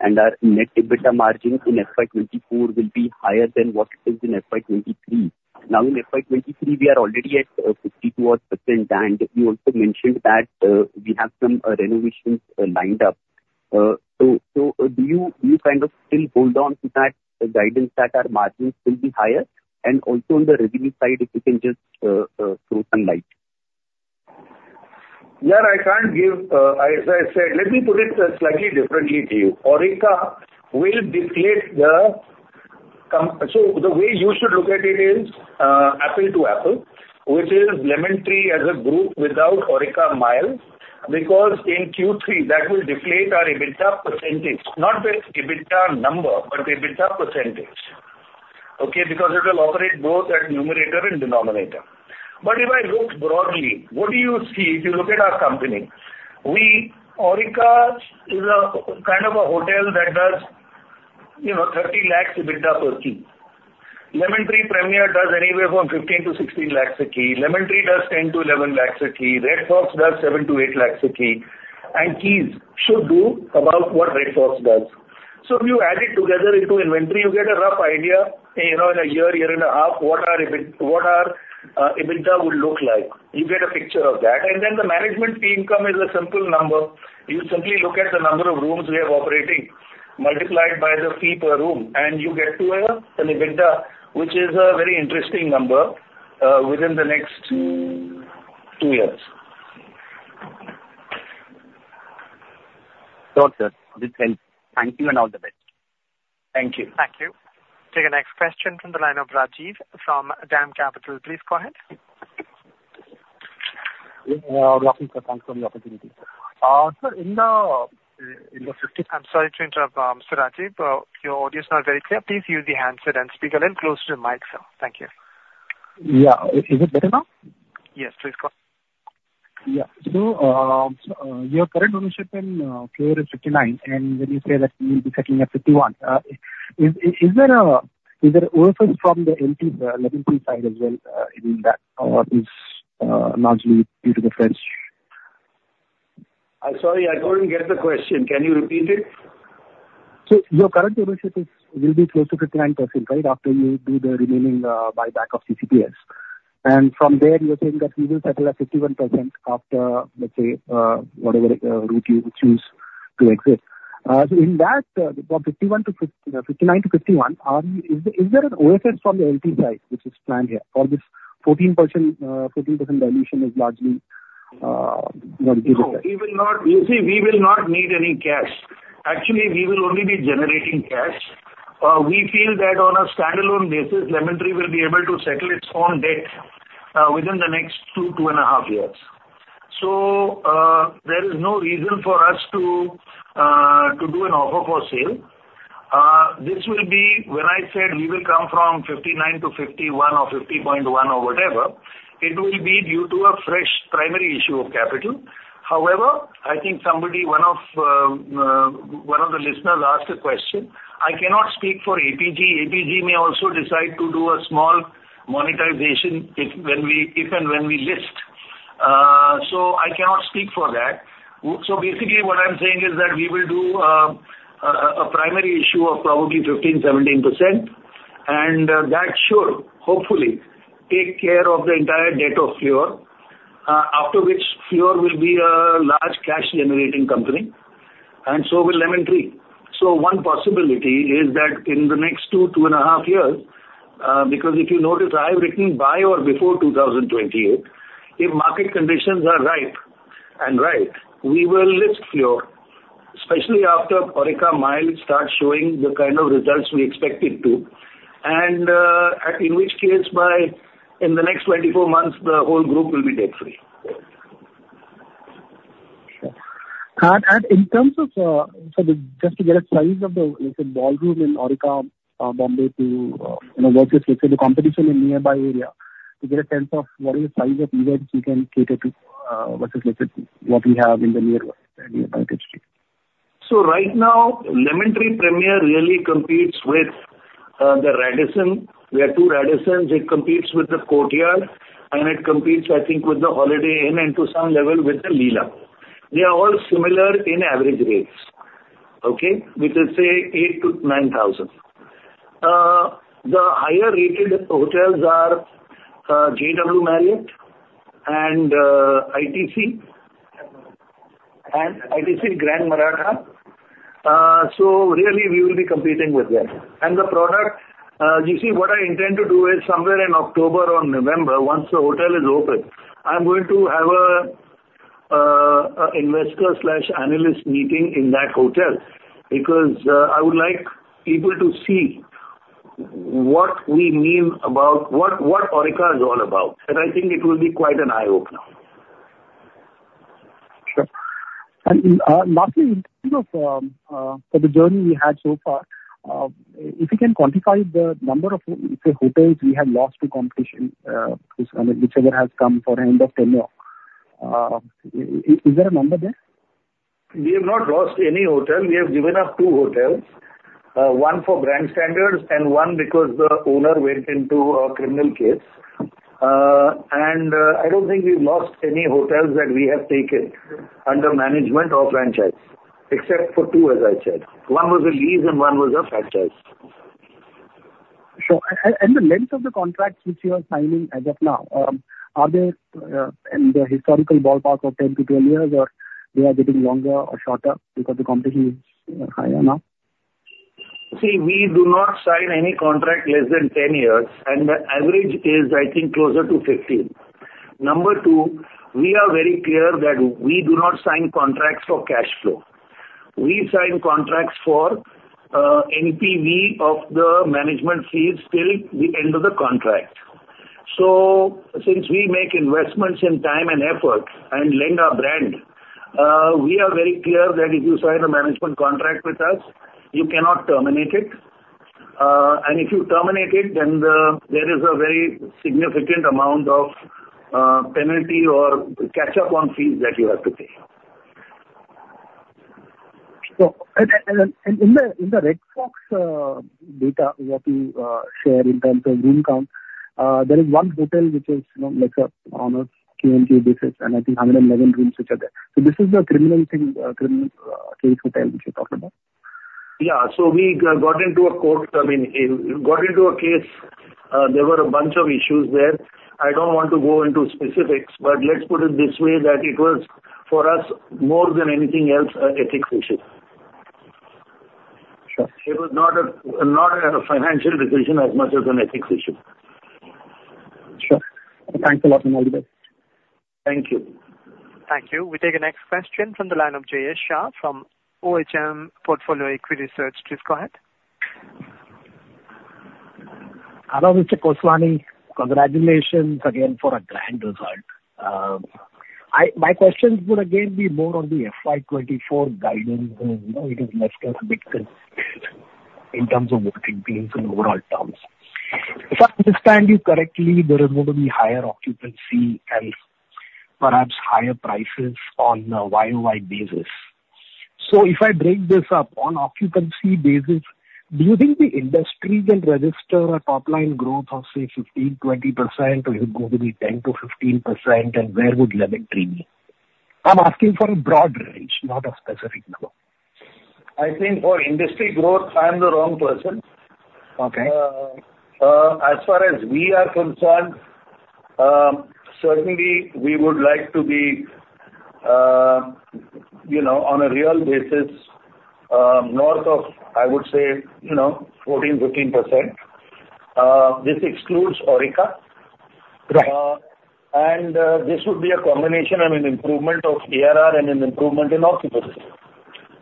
and our net EBITDA margins in FY 2024 will be higher than what it is in FY 2023. In FY 2023, we are already at 52 odd percent, and you also mentioned that we have some renovations lined up. Do you kind of still hold on to that guidance that our margins will be higher? And also, on the revenue side, if you can just throw some light. Yaar I can't give, as I said. Let me put it slightly differently to you. Oreca will deflate so the way you should look at it is apple to apple, which is Lemon Tree as a group without Oreca Miles, because in Q3, that will deflate our EBITDA percentage, not the EBITDA number, but the EBITDA percentage. Okay? Because it will operate both at numerator and denominator. If I look broadly, what do you see if you look at our company? We, Oreca is a kind of a hotel that does, you know, 30 lakhs EBITDA per key. Lemon Tree Premier does anywhere from 15 lakhs-16 lakhs a key. Lemon Tree does 10 lakhs-11 lakhs a key. Red Fox does 7 lakhs-8 lakhs a key, and Keys should do about what Red Fox does. If you add it together into inventory, you get a rough idea, you know, in a year, year and a half, what our EBITDA, what our EBITDA would look like. You get a picture of that, and the management fee income is a simple number. You simply look at the number of rooms we have operating, multiplied by the fee per room, and you get to an EBITDA, which is a very interesting number within the next two years. Got it. Thank you, and all the best. Thank you. Thank you. Take the next question from the line of Rajiv from Dam Capital. Please go ahead. Welcome, sir. Thanks for the opportunity. Sir, in the 50- I'm sorry to interrupt, Sir Rajiv, your audio is not very clear. Please use the handset and speak a little closer to the mic, sir. Thank you. Yeah. Is it better now? Yes, please go. Your current ownership in Fleur is 59%, and when you say that you'll be settling at 51%, is is there, is there from the LT, Lemon Tree side as well, in that, or is largely due to the French? I'm sorry, I didn't get the question. Can you repeat it? Sir., your current ownership is, will be close to 59%, right? After you do the remaining buyback of CCPS. From there, you're saying that we will settle at 51% after, let's say, whatever route you choose to exit. In that, from 51%, from to 59%-51%, is there an from the LT side, which is planned here for this 14%, 14% dilution is largely, what is it? We will not, see we will not need any cash. Actually, we will only be generating cash. We feel that on a standalone basis, Lemon Tree will be able to settle its own debt within the next two, two and a half years. There is no reason for us to do an offer for sale. This will be when I said we will come from 59%-51% or 50.1% or whatever, it will be due to a fresh primary issue of capital. However, I think somebody, one of, one of the listeners asked a question. I cannot speak for APG. APG may also decide to do a small monetization if and when we list. So I cannot speak for that. Basically, what I'm saying is that we will do a primary issue of probably 15%, 17% that should hopefully take care of the entire debt of Fleur, after which Fleur will be a large cash-generating company, and so will Lemon Tree. One possibility is that in the next two, two and a half years, because if you notice, I have written by or before 2028, if market conditions are ripe and right, we will list Fleur, especially after Aurika, Mile starts showing the kind of results we expect it to, and in which case by, in the next 24 months, the whole group will be debt-free. Yeah. And in terms of, so just to get a size of the, like the ballroom in Aurika, Bombay to, you know, what is the competition in nearby area, to get a sense of what is the size of events you can cater to, what we have in the nearby vicinity? Right now, Lemon Tree Premier really competes with the Radisson. There are two Radissons. It competes with the Courtyard, and it competes, I think, with the Holiday Inn, and to some level, with The Leela. They are all similar in average rates. Okay? Which is, say, 8,000-9,000. The higher-rated hotels are JW Marriott and ITC, and ITC Maratha. Really, we will be competing with them. The product, you see, what I intend to do is somewhere in October or November, once the hotel is open, I'm going to have a investor slash analyst meeting in that hotel, because I would like people to see what we mean about what, what Oreca is all about, and I think it will be quite an eye-opener. Yeah. And lastly, in terms of, for the journey we had so far, if you can quantify the number of hotels we have lost to competition, whichever has come for end of tenure, is there a number there? We have not lost any hotel. We have given up two hotels, one for brand standards and one because the owner went into a criminal case. I don't think we've lost any hotels that we have taken under management or franchise, except for two, as I said. One was a lease, and one was a franchise. Sure. And the length of the contracts which you are signing as of now, are they in the historical ballpark of 10-12 years, or they are getting longer or shorter because the competition is higher now? We do not sign any contract less than 10 years, and the average is, I think, closer to 15. Number two, we are very clear that we do not sign contracts for cash flow. We sign contracts for NPV of the management fees till the end of the contract. And since we make investments in time and effort and lend our brand, we are very clear that if you sign a management contract with us, you cannot terminate it. And if you terminate it, then, there is a very significant amount of penalty or catch-up on fees that you have to pay. In the Red Fox data what you share in terms of room count, there is one hotel which is on a KMG basis, and I think 111 rooms which are there. This is the criminal case hotel which you're talking about? Yeah. So we got into a court, I mean, we got into a case, there were a bunch of issues there. I don't want to go into specifics, but let's put it this way, that it was, for us, more than anything else, an ethics issue. Sure. It was not a financial decision as much as an ethics issue. Sure. Thanks a lot and all the best. Thank you. Thank you. We take the next question from the line of Jayesh Shah from OHM Portfolio Equity Research. Please go ahead. Hello, Mr. Keswani. Congratulations again for a grand result. My questions would again be more on the FY 2024 guidance, you know, it is less than a bit consistent in terms of what it means in overall terms. If I understand you correctly, there is going to be higher occupancy and perhaps higher prices on a YoY basis. If I break this up, on occupancy basis, do you think the industry will register a top line growth of, say, 15%-20%, or it go to be 10%-15%, and where would Le Méridien be? I'm asking for a broad range, not a specific number. I think for industry growth, I am the wrong person. Okay. As far as we are concerned, certainly we would like to be, you know, on a real basis, north of, I would say, you know, 14%-15%. This excludes Oreca. Right. And this would be a combination and an improvement of ARR and an improvement in occupancy.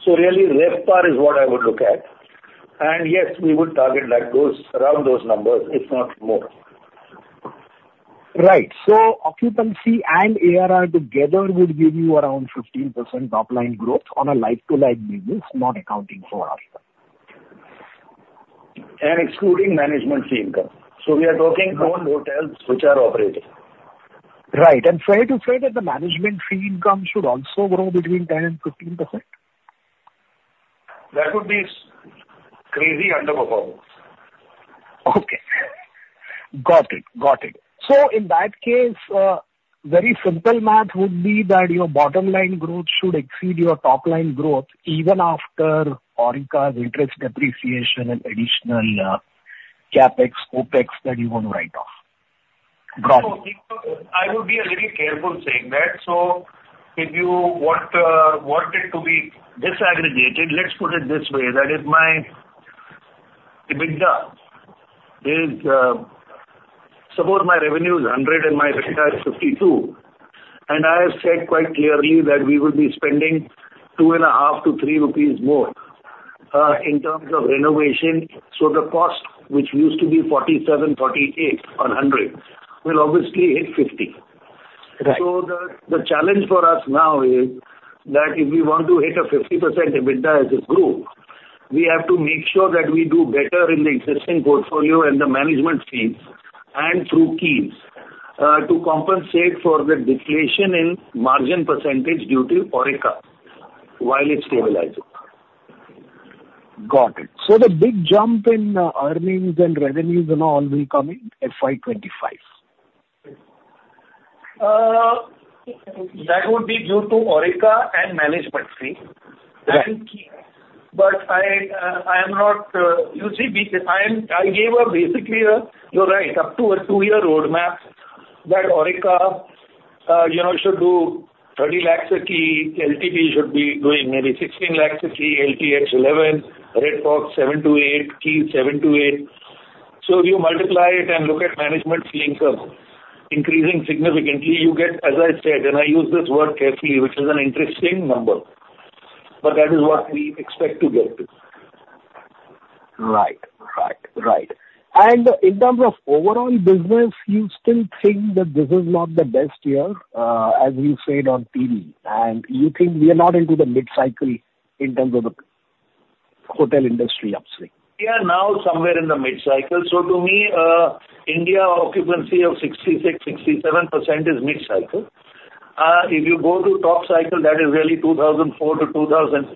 So really, RevPAR is what I would look at. And yes, we would target like those, around those numbers, if not more. Right. Occupancy and ARR together would give you around 15% top line growth on a like-to-like basis, not accounting for Oreca. And excluding management fee income. So we are talking own hotels which are operating. Right. Fair to say that the management fee income should also grow between 10% and 15%? That would be crazy underperformance. Okay. Got it. Got it. So in that case, very simple math would be that your bottom line growth should exceed your top line growth, even after Oreca's interest depreciation and additional CapEx, OpEx that you want to write off. Got it. I would be a little careful saying that. If you want it to be disaggregated, let's put it this way, that if my EBITDA is, suppose my revenue is 100 and my EBITDA is 52%, and I have said quite clearly that we will be spending two and a half to three rupees more in terms of renovation. The cost, which used to be 47, 48 onINR 100, will obviously hit 50. Right. So the challenge for us now is, that if we want to hit a 50% EBITDA as a group, we have to make sure that we do better in the existing portfolio and the management scheme and through Keys to compensate for the deflation in margin percentage due to Oreca, while it's stabilizing. Got it. So the big jump in earnings and revenues and all will come in FY 2025? That would be due to Oreca and management fee. Right. I am not, you see, we, I gave a basically a, you're right, up to a two year roadmap, that Oreca, you know, should do 30 lakhs a key. LTP should be doing maybe 16 lakhs a key, LTH 11 lakhs, Red Fox 7 lakhs- INR 8 lakhs a key, 7 lakhs-8 lakhs. You multiply it and look at management fee income increasing significantly, you get, as I said, and I use this word carefully, which is an interesting number. But that is what we expect to get to. Right. Right. Right. In terms of overall business, you still think that this is not the best year, as you said on TV, and you think we are not into the mid-cycle in terms of the hotel industry upstream? We are now somewhere in the mid-cycle. To me, India occupancy of 66%-67% is mid-cycle. If you go to top cycle, that is really 2004-2008,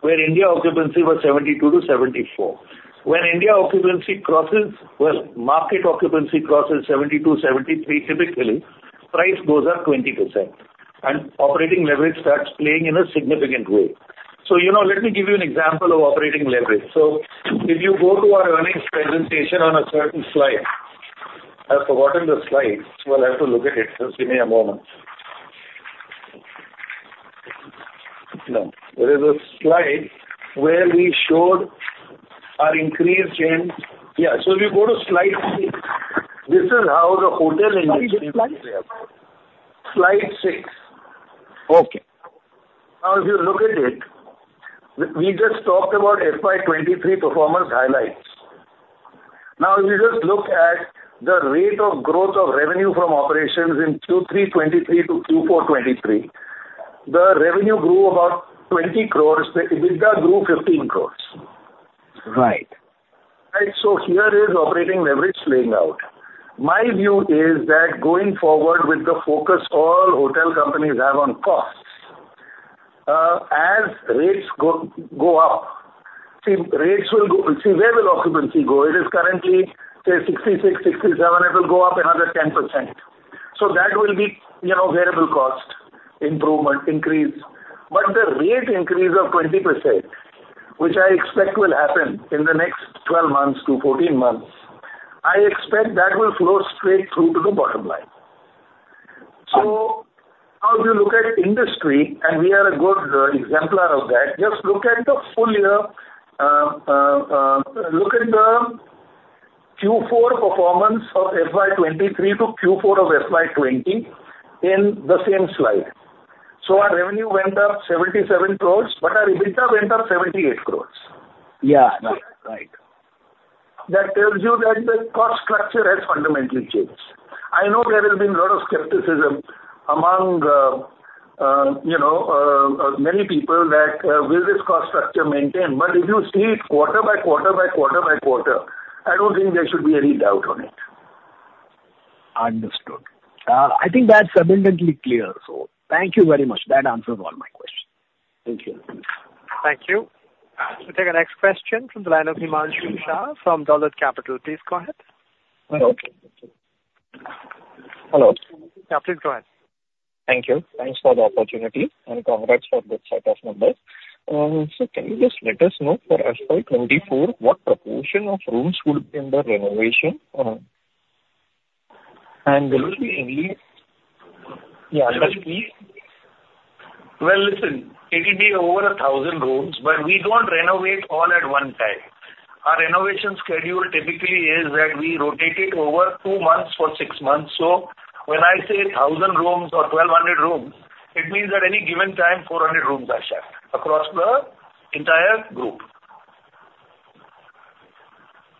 where India occupancy was 72%-74%. When India occupancy crosses, well, market occupancy crosses 72%, 73%, typically, price goes up 20% and operating leverage starts playing in a significant way. So you know, let me give you an example of operating leverage. So if you go to our earnings presentation on a certain slide, I've forgotten the slide. Well, I have to look at it, just give me a moment. There is a slide where we showed our increase change. If you go to Slide six, this is how the hotel industry. Sorry, which slide? Slide six. Okay. Now if you look at it, we just talked about FY 2023 performance highlights. Now if you just look at the rate of growth of revenue from operations in Q3 2023 -Q4 2023, the revenue grew about 20 crore, the EBITDA grew 15 crore. Right. Right so, here is operating leverage playing out. My view is that going forward with the focus all hotel companies have on costs, as rates go up, see, rates will go. See, where will occupancy go? It is currently, say, 66%, 67%, it will go up another 10%. That will be, you know, variable cost improvement increase. The rate increase of 20%, which I expect will happen in the next 12-14 months, I expect that will flow straight through to the bottom line. And how do you look at industry? So we are a good exemplar of that. Just look at the full year, look at the Q4 performance of FY 2023-Q4 of FY 2020 in the same slide. Our revenue went up 77 crores, but our EBITDA went up 78 crores. Yeah. Right. Right. That tells you that the cost structure has fundamentally changed. I know there has been a lot of skepticism among, you know, many people that, will this cost structure maintain? But if you see it quarter by quarter by quarter by quarter, I don't think there should be any doubt on it. Understood. I think that's abundantly clear, so thank you very much. That answers all my questions. Thank you. Thank you. We'll take our next question from the line of Himanshu Shah from Dolat Capital. Please go ahead. Hello? Hello? Yeah, please go ahead. Thank you. Thanks for the opportunity and congrats for good set of numbers. Can you just let us know for FY 2024, what proportion of rooms will be in the renovation? Yeah. Well listen, it will be over a 1,000 rooms. But we don't renovate all at one time. Our renovation schedule typically is that we rotate it over two months for six months. When I say 1,000 rooms or 1,200 rooms, it means at any given time, 400 rooms are shut across the entire group.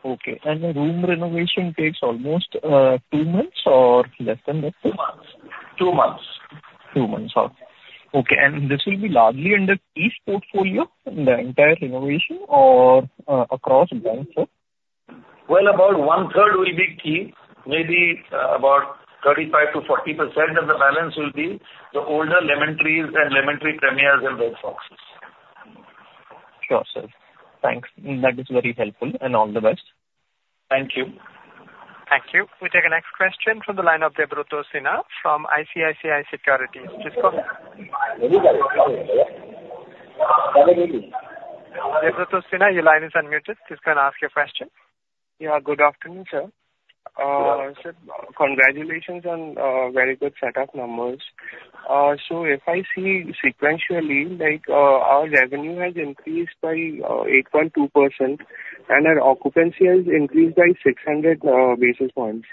Okay. The room renovation takes almost, two months or less than that? Two months. two months. Two months, okay. And this will be largely under Keys portfolio, the entire renovation or across brands, sir? Well, about 1/3 will be Key, maybe, about 35%-40%, and the balance will be the older Lemon Trees and Lemon Tree Premiers and Red Foxes. Sure, sir. Thanks. That is very helpful, and all the best. Thank you. Thank you. We take the next question from the line of Debotro Sinha from ICICI Securities. Please go ahead. Debotro Sinha, your line is unmuted. Please go and ask your question. Ueah, good afternoon, sir. Sir, congratulations on very good set of numbers. So if I see sequentially, like, our revenue has increased by 8.2% and our occupancy has increased by 600 basis points.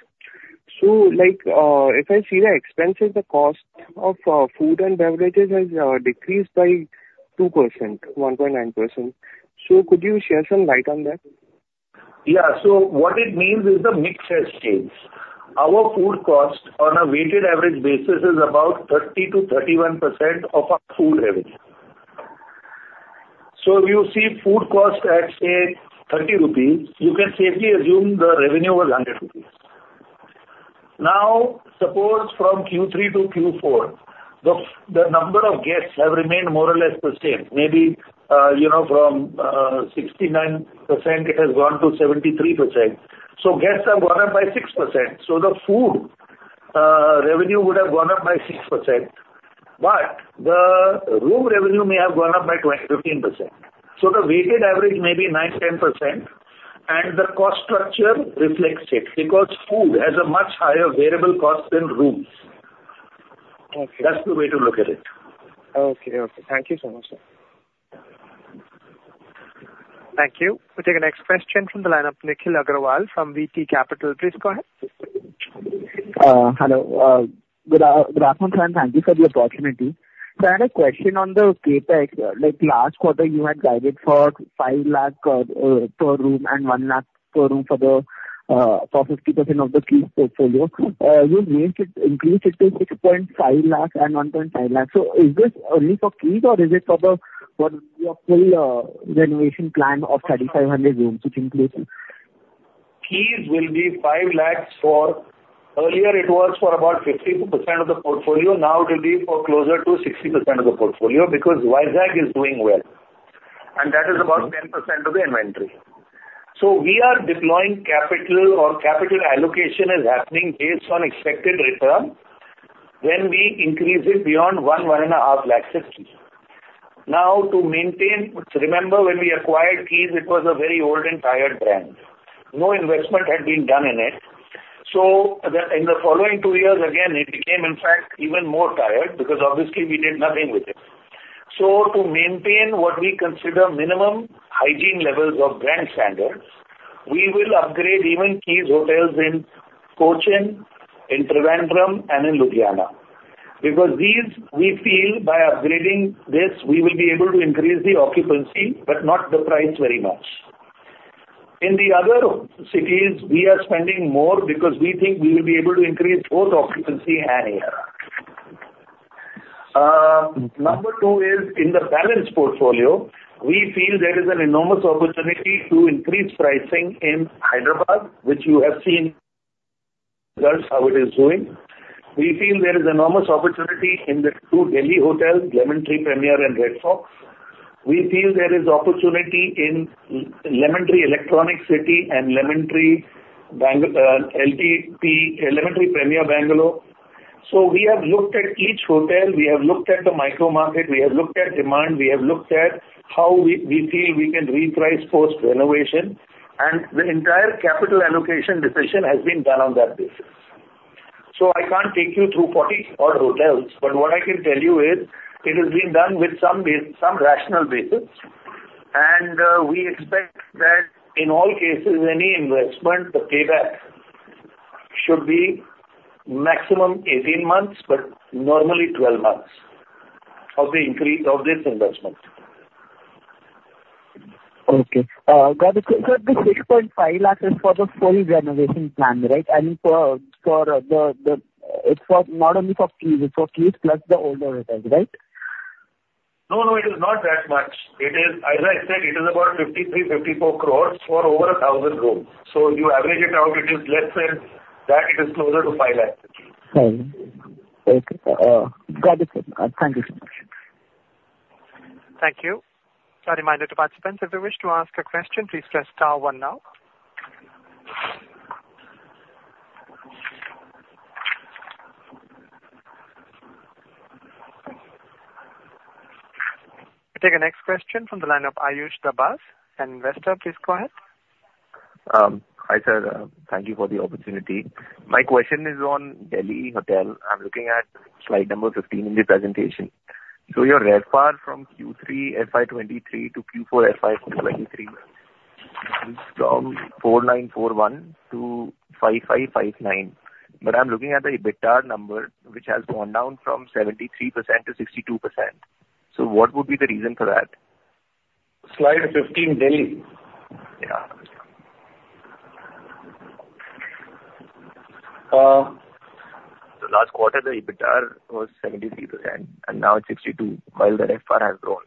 So like, if I see the expenses, the cost of food and beverages has decreased by 2%, 1.9%. So could you shed some light on that? Yeah. What it means is the mix has changed. Our food cost on a weighted average basis is about 30%-31% of our food revenue. If you see food cost at, say, 30 rupees, you can safely assume the revenue was 100 rupees. NOw suppose from Q3-Q4, the number of guests have remained more or less the same. Maybe, you know, from 69%, it has gone to 73%. Guests have gone up by 6%. The food revenue would have gone up by 6%, but the room revenue may have gone up by 15%. The weighted average may be 9%-10%, and the cost structure reflects it, because food has a much higher variable cost than rooms. Okay. That's the way to look at it. Okay. Okay. Thank you so much, sir. Thank you. We'll take the next question from the line of Nikhil Agarwal from VT Capital. Please go ahead. Hello. Good afternoon, sir, and thank you for the opportunity. I had a question on the CapEx. Like, last quarter, you had guided for 5 lakh per room and 1 lakh per room for 50% of the Keys portfolio. You've increased it to 6.5 lakh and 1.5 lakh. Is this only for Keys or is it for your full renovation plan of 3,500 rooms, which includes- Keys will be 5 lakhs for... Earlier it was for about 50% of the portfolio. Now it will be for closer to 60% of the portfolio, because Vizag is doing well, and that is about 10% of the inventory. So we are deploying capital or capital allocation is happening based on expected return when we increase it beyond 1.5 lakhs of Keys. Now to maintain, remember when we acquired Keys, it was a very old and tired brand. No investment had been done in it. So the, in the following two years, again, it became, in fact, even more tired, because obviously we did nothing with it. So to maintain what we consider minimum hygiene levels of brand standards, we will upgrade even Keys hotels in Cochin, in Trivandrum, and in Ludhiana. These, we feel by upgrading this, we will be able to increase the occupancy, but not the price very much. In the other cities, we are spending more because we think we will be able to increase both occupancy and ARR. Number two is in the balance portfolio, we feel there is an enormous opportunity to increase pricing in Hyderabad, which you have seen results, how it is doing. We feel there is enormous opportunity in the two Delhi hotels, Lemon Tree Premier and Red Fox. We feel there is opportunity in Lemon Tree Electronics City and Lemon tree LTP, and Lemon Tree Premier Bangalore. So we have looked at each hotel, we have looked at the micro market, we have looked at demand, we have looked at how we feel we can reprice post renovation, and the entire capital allocation decision has been done on that basis. I can't take you through 40 odd hotels, but what I can tell you is, it is being done with some rational basis. And we expect that in all cases, any investment, the payback should be maximum 18 months, but normally 12 months of the increase of this investment. Got it. Sir, the 6.5 lakhs is for the full renovation plan, right? For the, it's for not only for Keys, it's for Keys plus the older hotels, right? No, no, it is not that much. It is as I said, it is about 53 crores-54 crores for over 1,000 rooms. You average it out, it is less than that, it is closer to 5 lakhs. Okay. Got it, sir. Thank you so much. Thank you. A reminder to participants, if you wish to ask a question, please press star one now. We take the next question from the line of Ayush Dabas, an investor. Please go ahead. Hi, sir. Thank you for the opportunity. My question is on Delhi hotel. I'm looking at slide number 15 in the presentation. Your RevPAR from Q3 FY23-Q4 FY23 is from 4,941-5,559. And I'm looking at the EBITDA number, which has gone down from 73%-62%. So what would be the reason for that? Slide 15, Delhi? Yeah. Uh. The last quarter, the EBITDA was 73%, and now it's 62%, while the RevPAR has grown.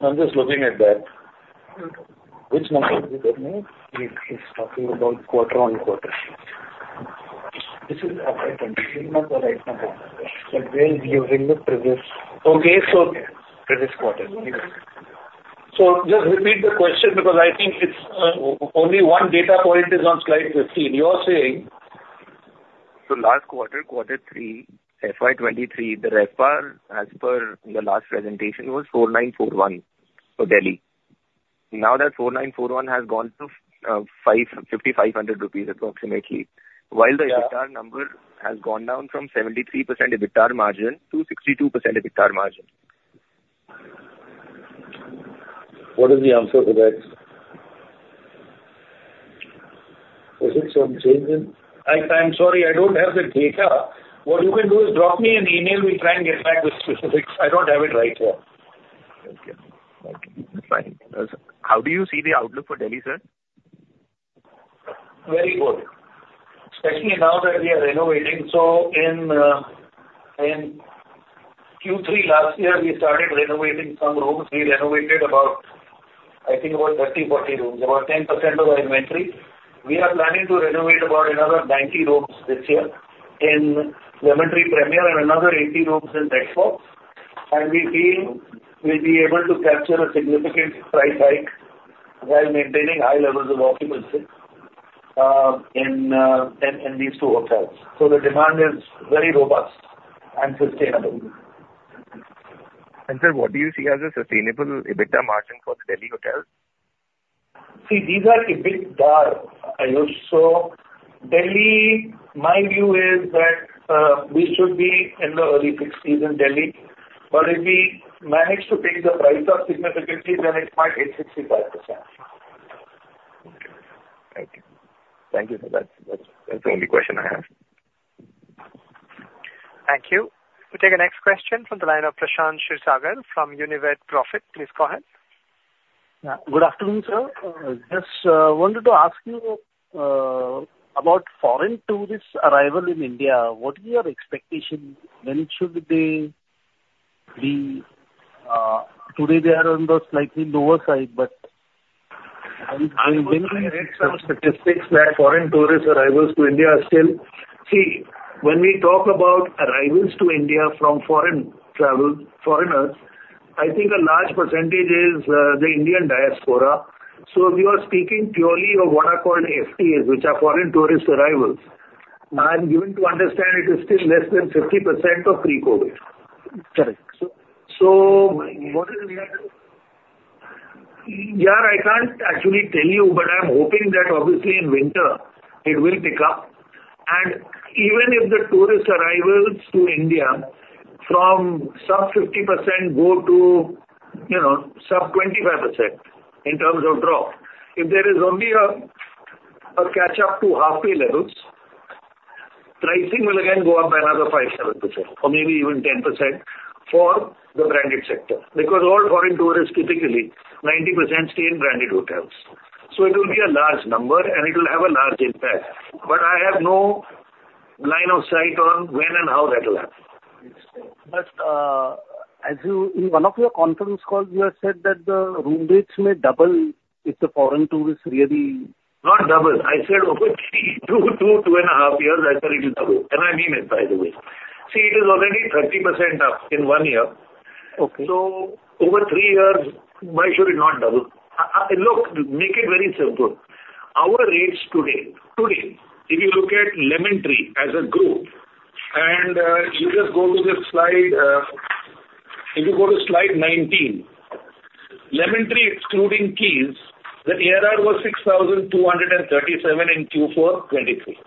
I'm just looking at that. Which number did you get me? He's talking about quarter-on-quarter. This is our right, this is not what I, so range during the previous- Okay. So- Previous quarter. ..So, Just repeat the question, because I think it's only one data point is on slide 15. You are saying? For last quarter, quarter three, FY 2023, the RevPAR, as per your last presentation, was 4,941 for Delhi. That 4,941 has gone to 5,500 rupees approximately- Yeah. ....while the ARR number has gone down from 73% EBITDA margin to 62% EBITDA margin. What is the answer to that? Is it some change in-...I'm sorry, I don't have the data. What you can do is drop me an email, we try and get back with specifics. I don't have it right here. Okay. Thank you. Fine. How do you see the outlook for Delhi, sir? Very good, especially now that we are renovating. So in Q3 last year, we started renovating some rooms. We renovated about, I think, about 30-40 rooms, about 10% of our inventory. We are planning to renovate about another 90 rooms this year in Lemon Tree Premier and another 80 rooms in Red Fox, and we feel we'll be able to capture a significant price hike while maintaining high levels of occupancy in these two hotels. The demand is very robust and sustainable. And sir, what do you see as a sustainable EBITDA margin for the Delhi hotel? See, these are a bit dark, Ayush. Delhi, my view is that, we should be in the early 60%s in Delhi, but if we manage to raise the price up significantly, then it might hit 65%. Okay. Thank you. Thank you for that. That's the only question I have. Thank you. We take the next question from the line of Prashant Shivsagar from Unived Profit. Please go ahead. Yeah, good afternoon, sir. Just wanted to ask you about foreign tourist arrival in India. What is your expectation? When should they be... today, they are on the slightly lower side, but when will- I read some statistics that foreign tourist arrivals to India are still... See, when we talk about arrivals to India from foreign travel, foreigners, I think a large percentage is the Indian diaspora. So we are not speaking purely of what are called FTAs, which are Foreign Tourist Arrivals. I'm given to understand it is still less than 50% of pre-COVID. Correct. So- What is the reason? Yaar, I can't actually tell you, but I'm hoping that obviously in winter it will pick up. So even if the tourist arrivals to India from sub 50% go to, you know, sub 25%, in terms of drop, if there is only a catch-up to halfway levels, pricing will again go up by another 5%, 7%, or maybe even 10% for the branded sector. Because all foreign tourists, typically, 90% stay in branded hotels. So it will be a large number, and it will have a large impact, but I have no line of sight on when and how that will happen. As you, in one of your conference calls, you have said that the room rates may double if the foreign tourists really- Not double. I said over three, two, two and a half years, I said it will double, and I mean it, by the way. See it is already 30% up in one year. Okay. Over three years, why should it not double? Look, make it very simple. Our rates today, today if you look at Lemon Tree as a group, and you just go to the slide, if you go to slide 19, Lemon Tree excluding Keys, the ARR was 6,237 in Q4 2023.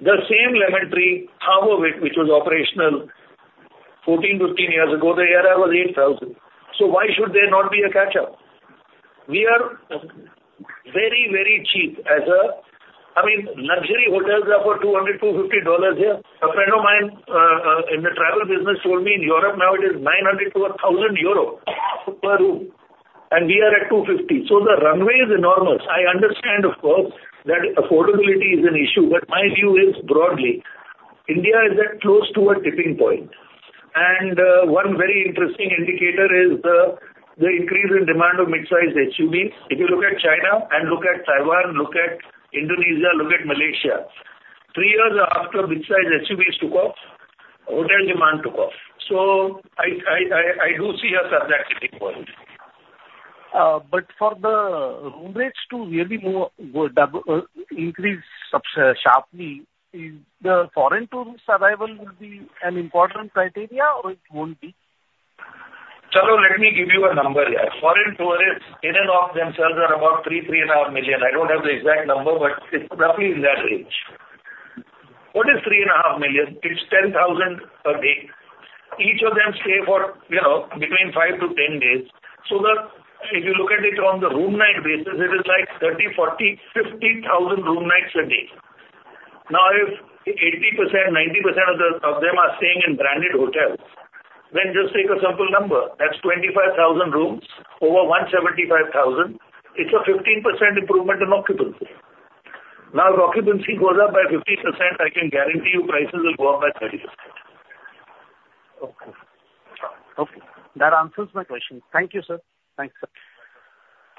The same Lemon Tree, half of it, which was operational 14,15 years ago, the ARR was 8,000. Why should there not be a catch-up? We are very cheap as a... I mean, luxury hotels are for $200, $250 here. A friend of mine, in the travel business told me in Europe now it is 900-1,000 euro per room, and we are at $250. So the runway is enormous. I understand, of course, that affordability is an issue. My view is broadly, India is at close to a tipping point. And one very interesting indicator is the increase in demand of mid-size SUVs. If you look at China and look at Taiwan, look at Indonesia, look at Malaysia, three years after mid-size SUVs took off, hotel demand took off. So I do see us at that tipping point. But for the room rates to really move, go double, increase sharply, is the foreign tourists' arrival will be an important criteria or it won't be? Let me give you a number here. Foreign tourists, in and of themselves, are about 3 million-3.5 million. I don't have the exact number, but it's roughly in that range. What is 3.5 million? It's 10,000 per day. Each of them stay for, you know, between 5-10 days. So if you look at it on the room night basis, it is like 30,000-50,000 room nights a day. Now if 80%, 90% of them are staying in branded hotels, then just take a simple number, that's 25,000 rooms over 175,000. It's a 15% improvement in occupancy. Now if occupancy goes up by 50%, I can guarantee you prices will go up by 30%. Okay. Okay, that answers my question. Thank you, sir. Thanks, sir.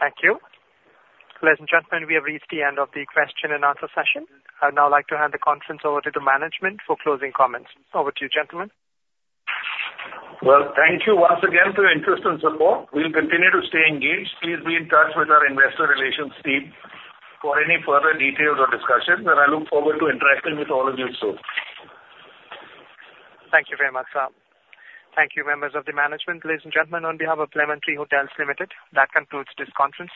Thank you. Ladies and gentlemen, we have reached the end of the question and answer session. I'd now like to hand the conference over to the management for closing comments. Over to you, gentlemen. Well, thank you once again for your interest and support. We'll continue to stay engaged. Please be in touch with our investor relations team for any further details or discussions, and I look forward to interacting with all of you soon. Thank you very much, sir. Thank you, members of the management. Ladies and gentlemen, on behalf of Lemon Tree Hotels Limited, that concludes this conference.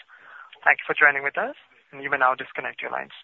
Thank you for joining with us. You may now disconnect your lines.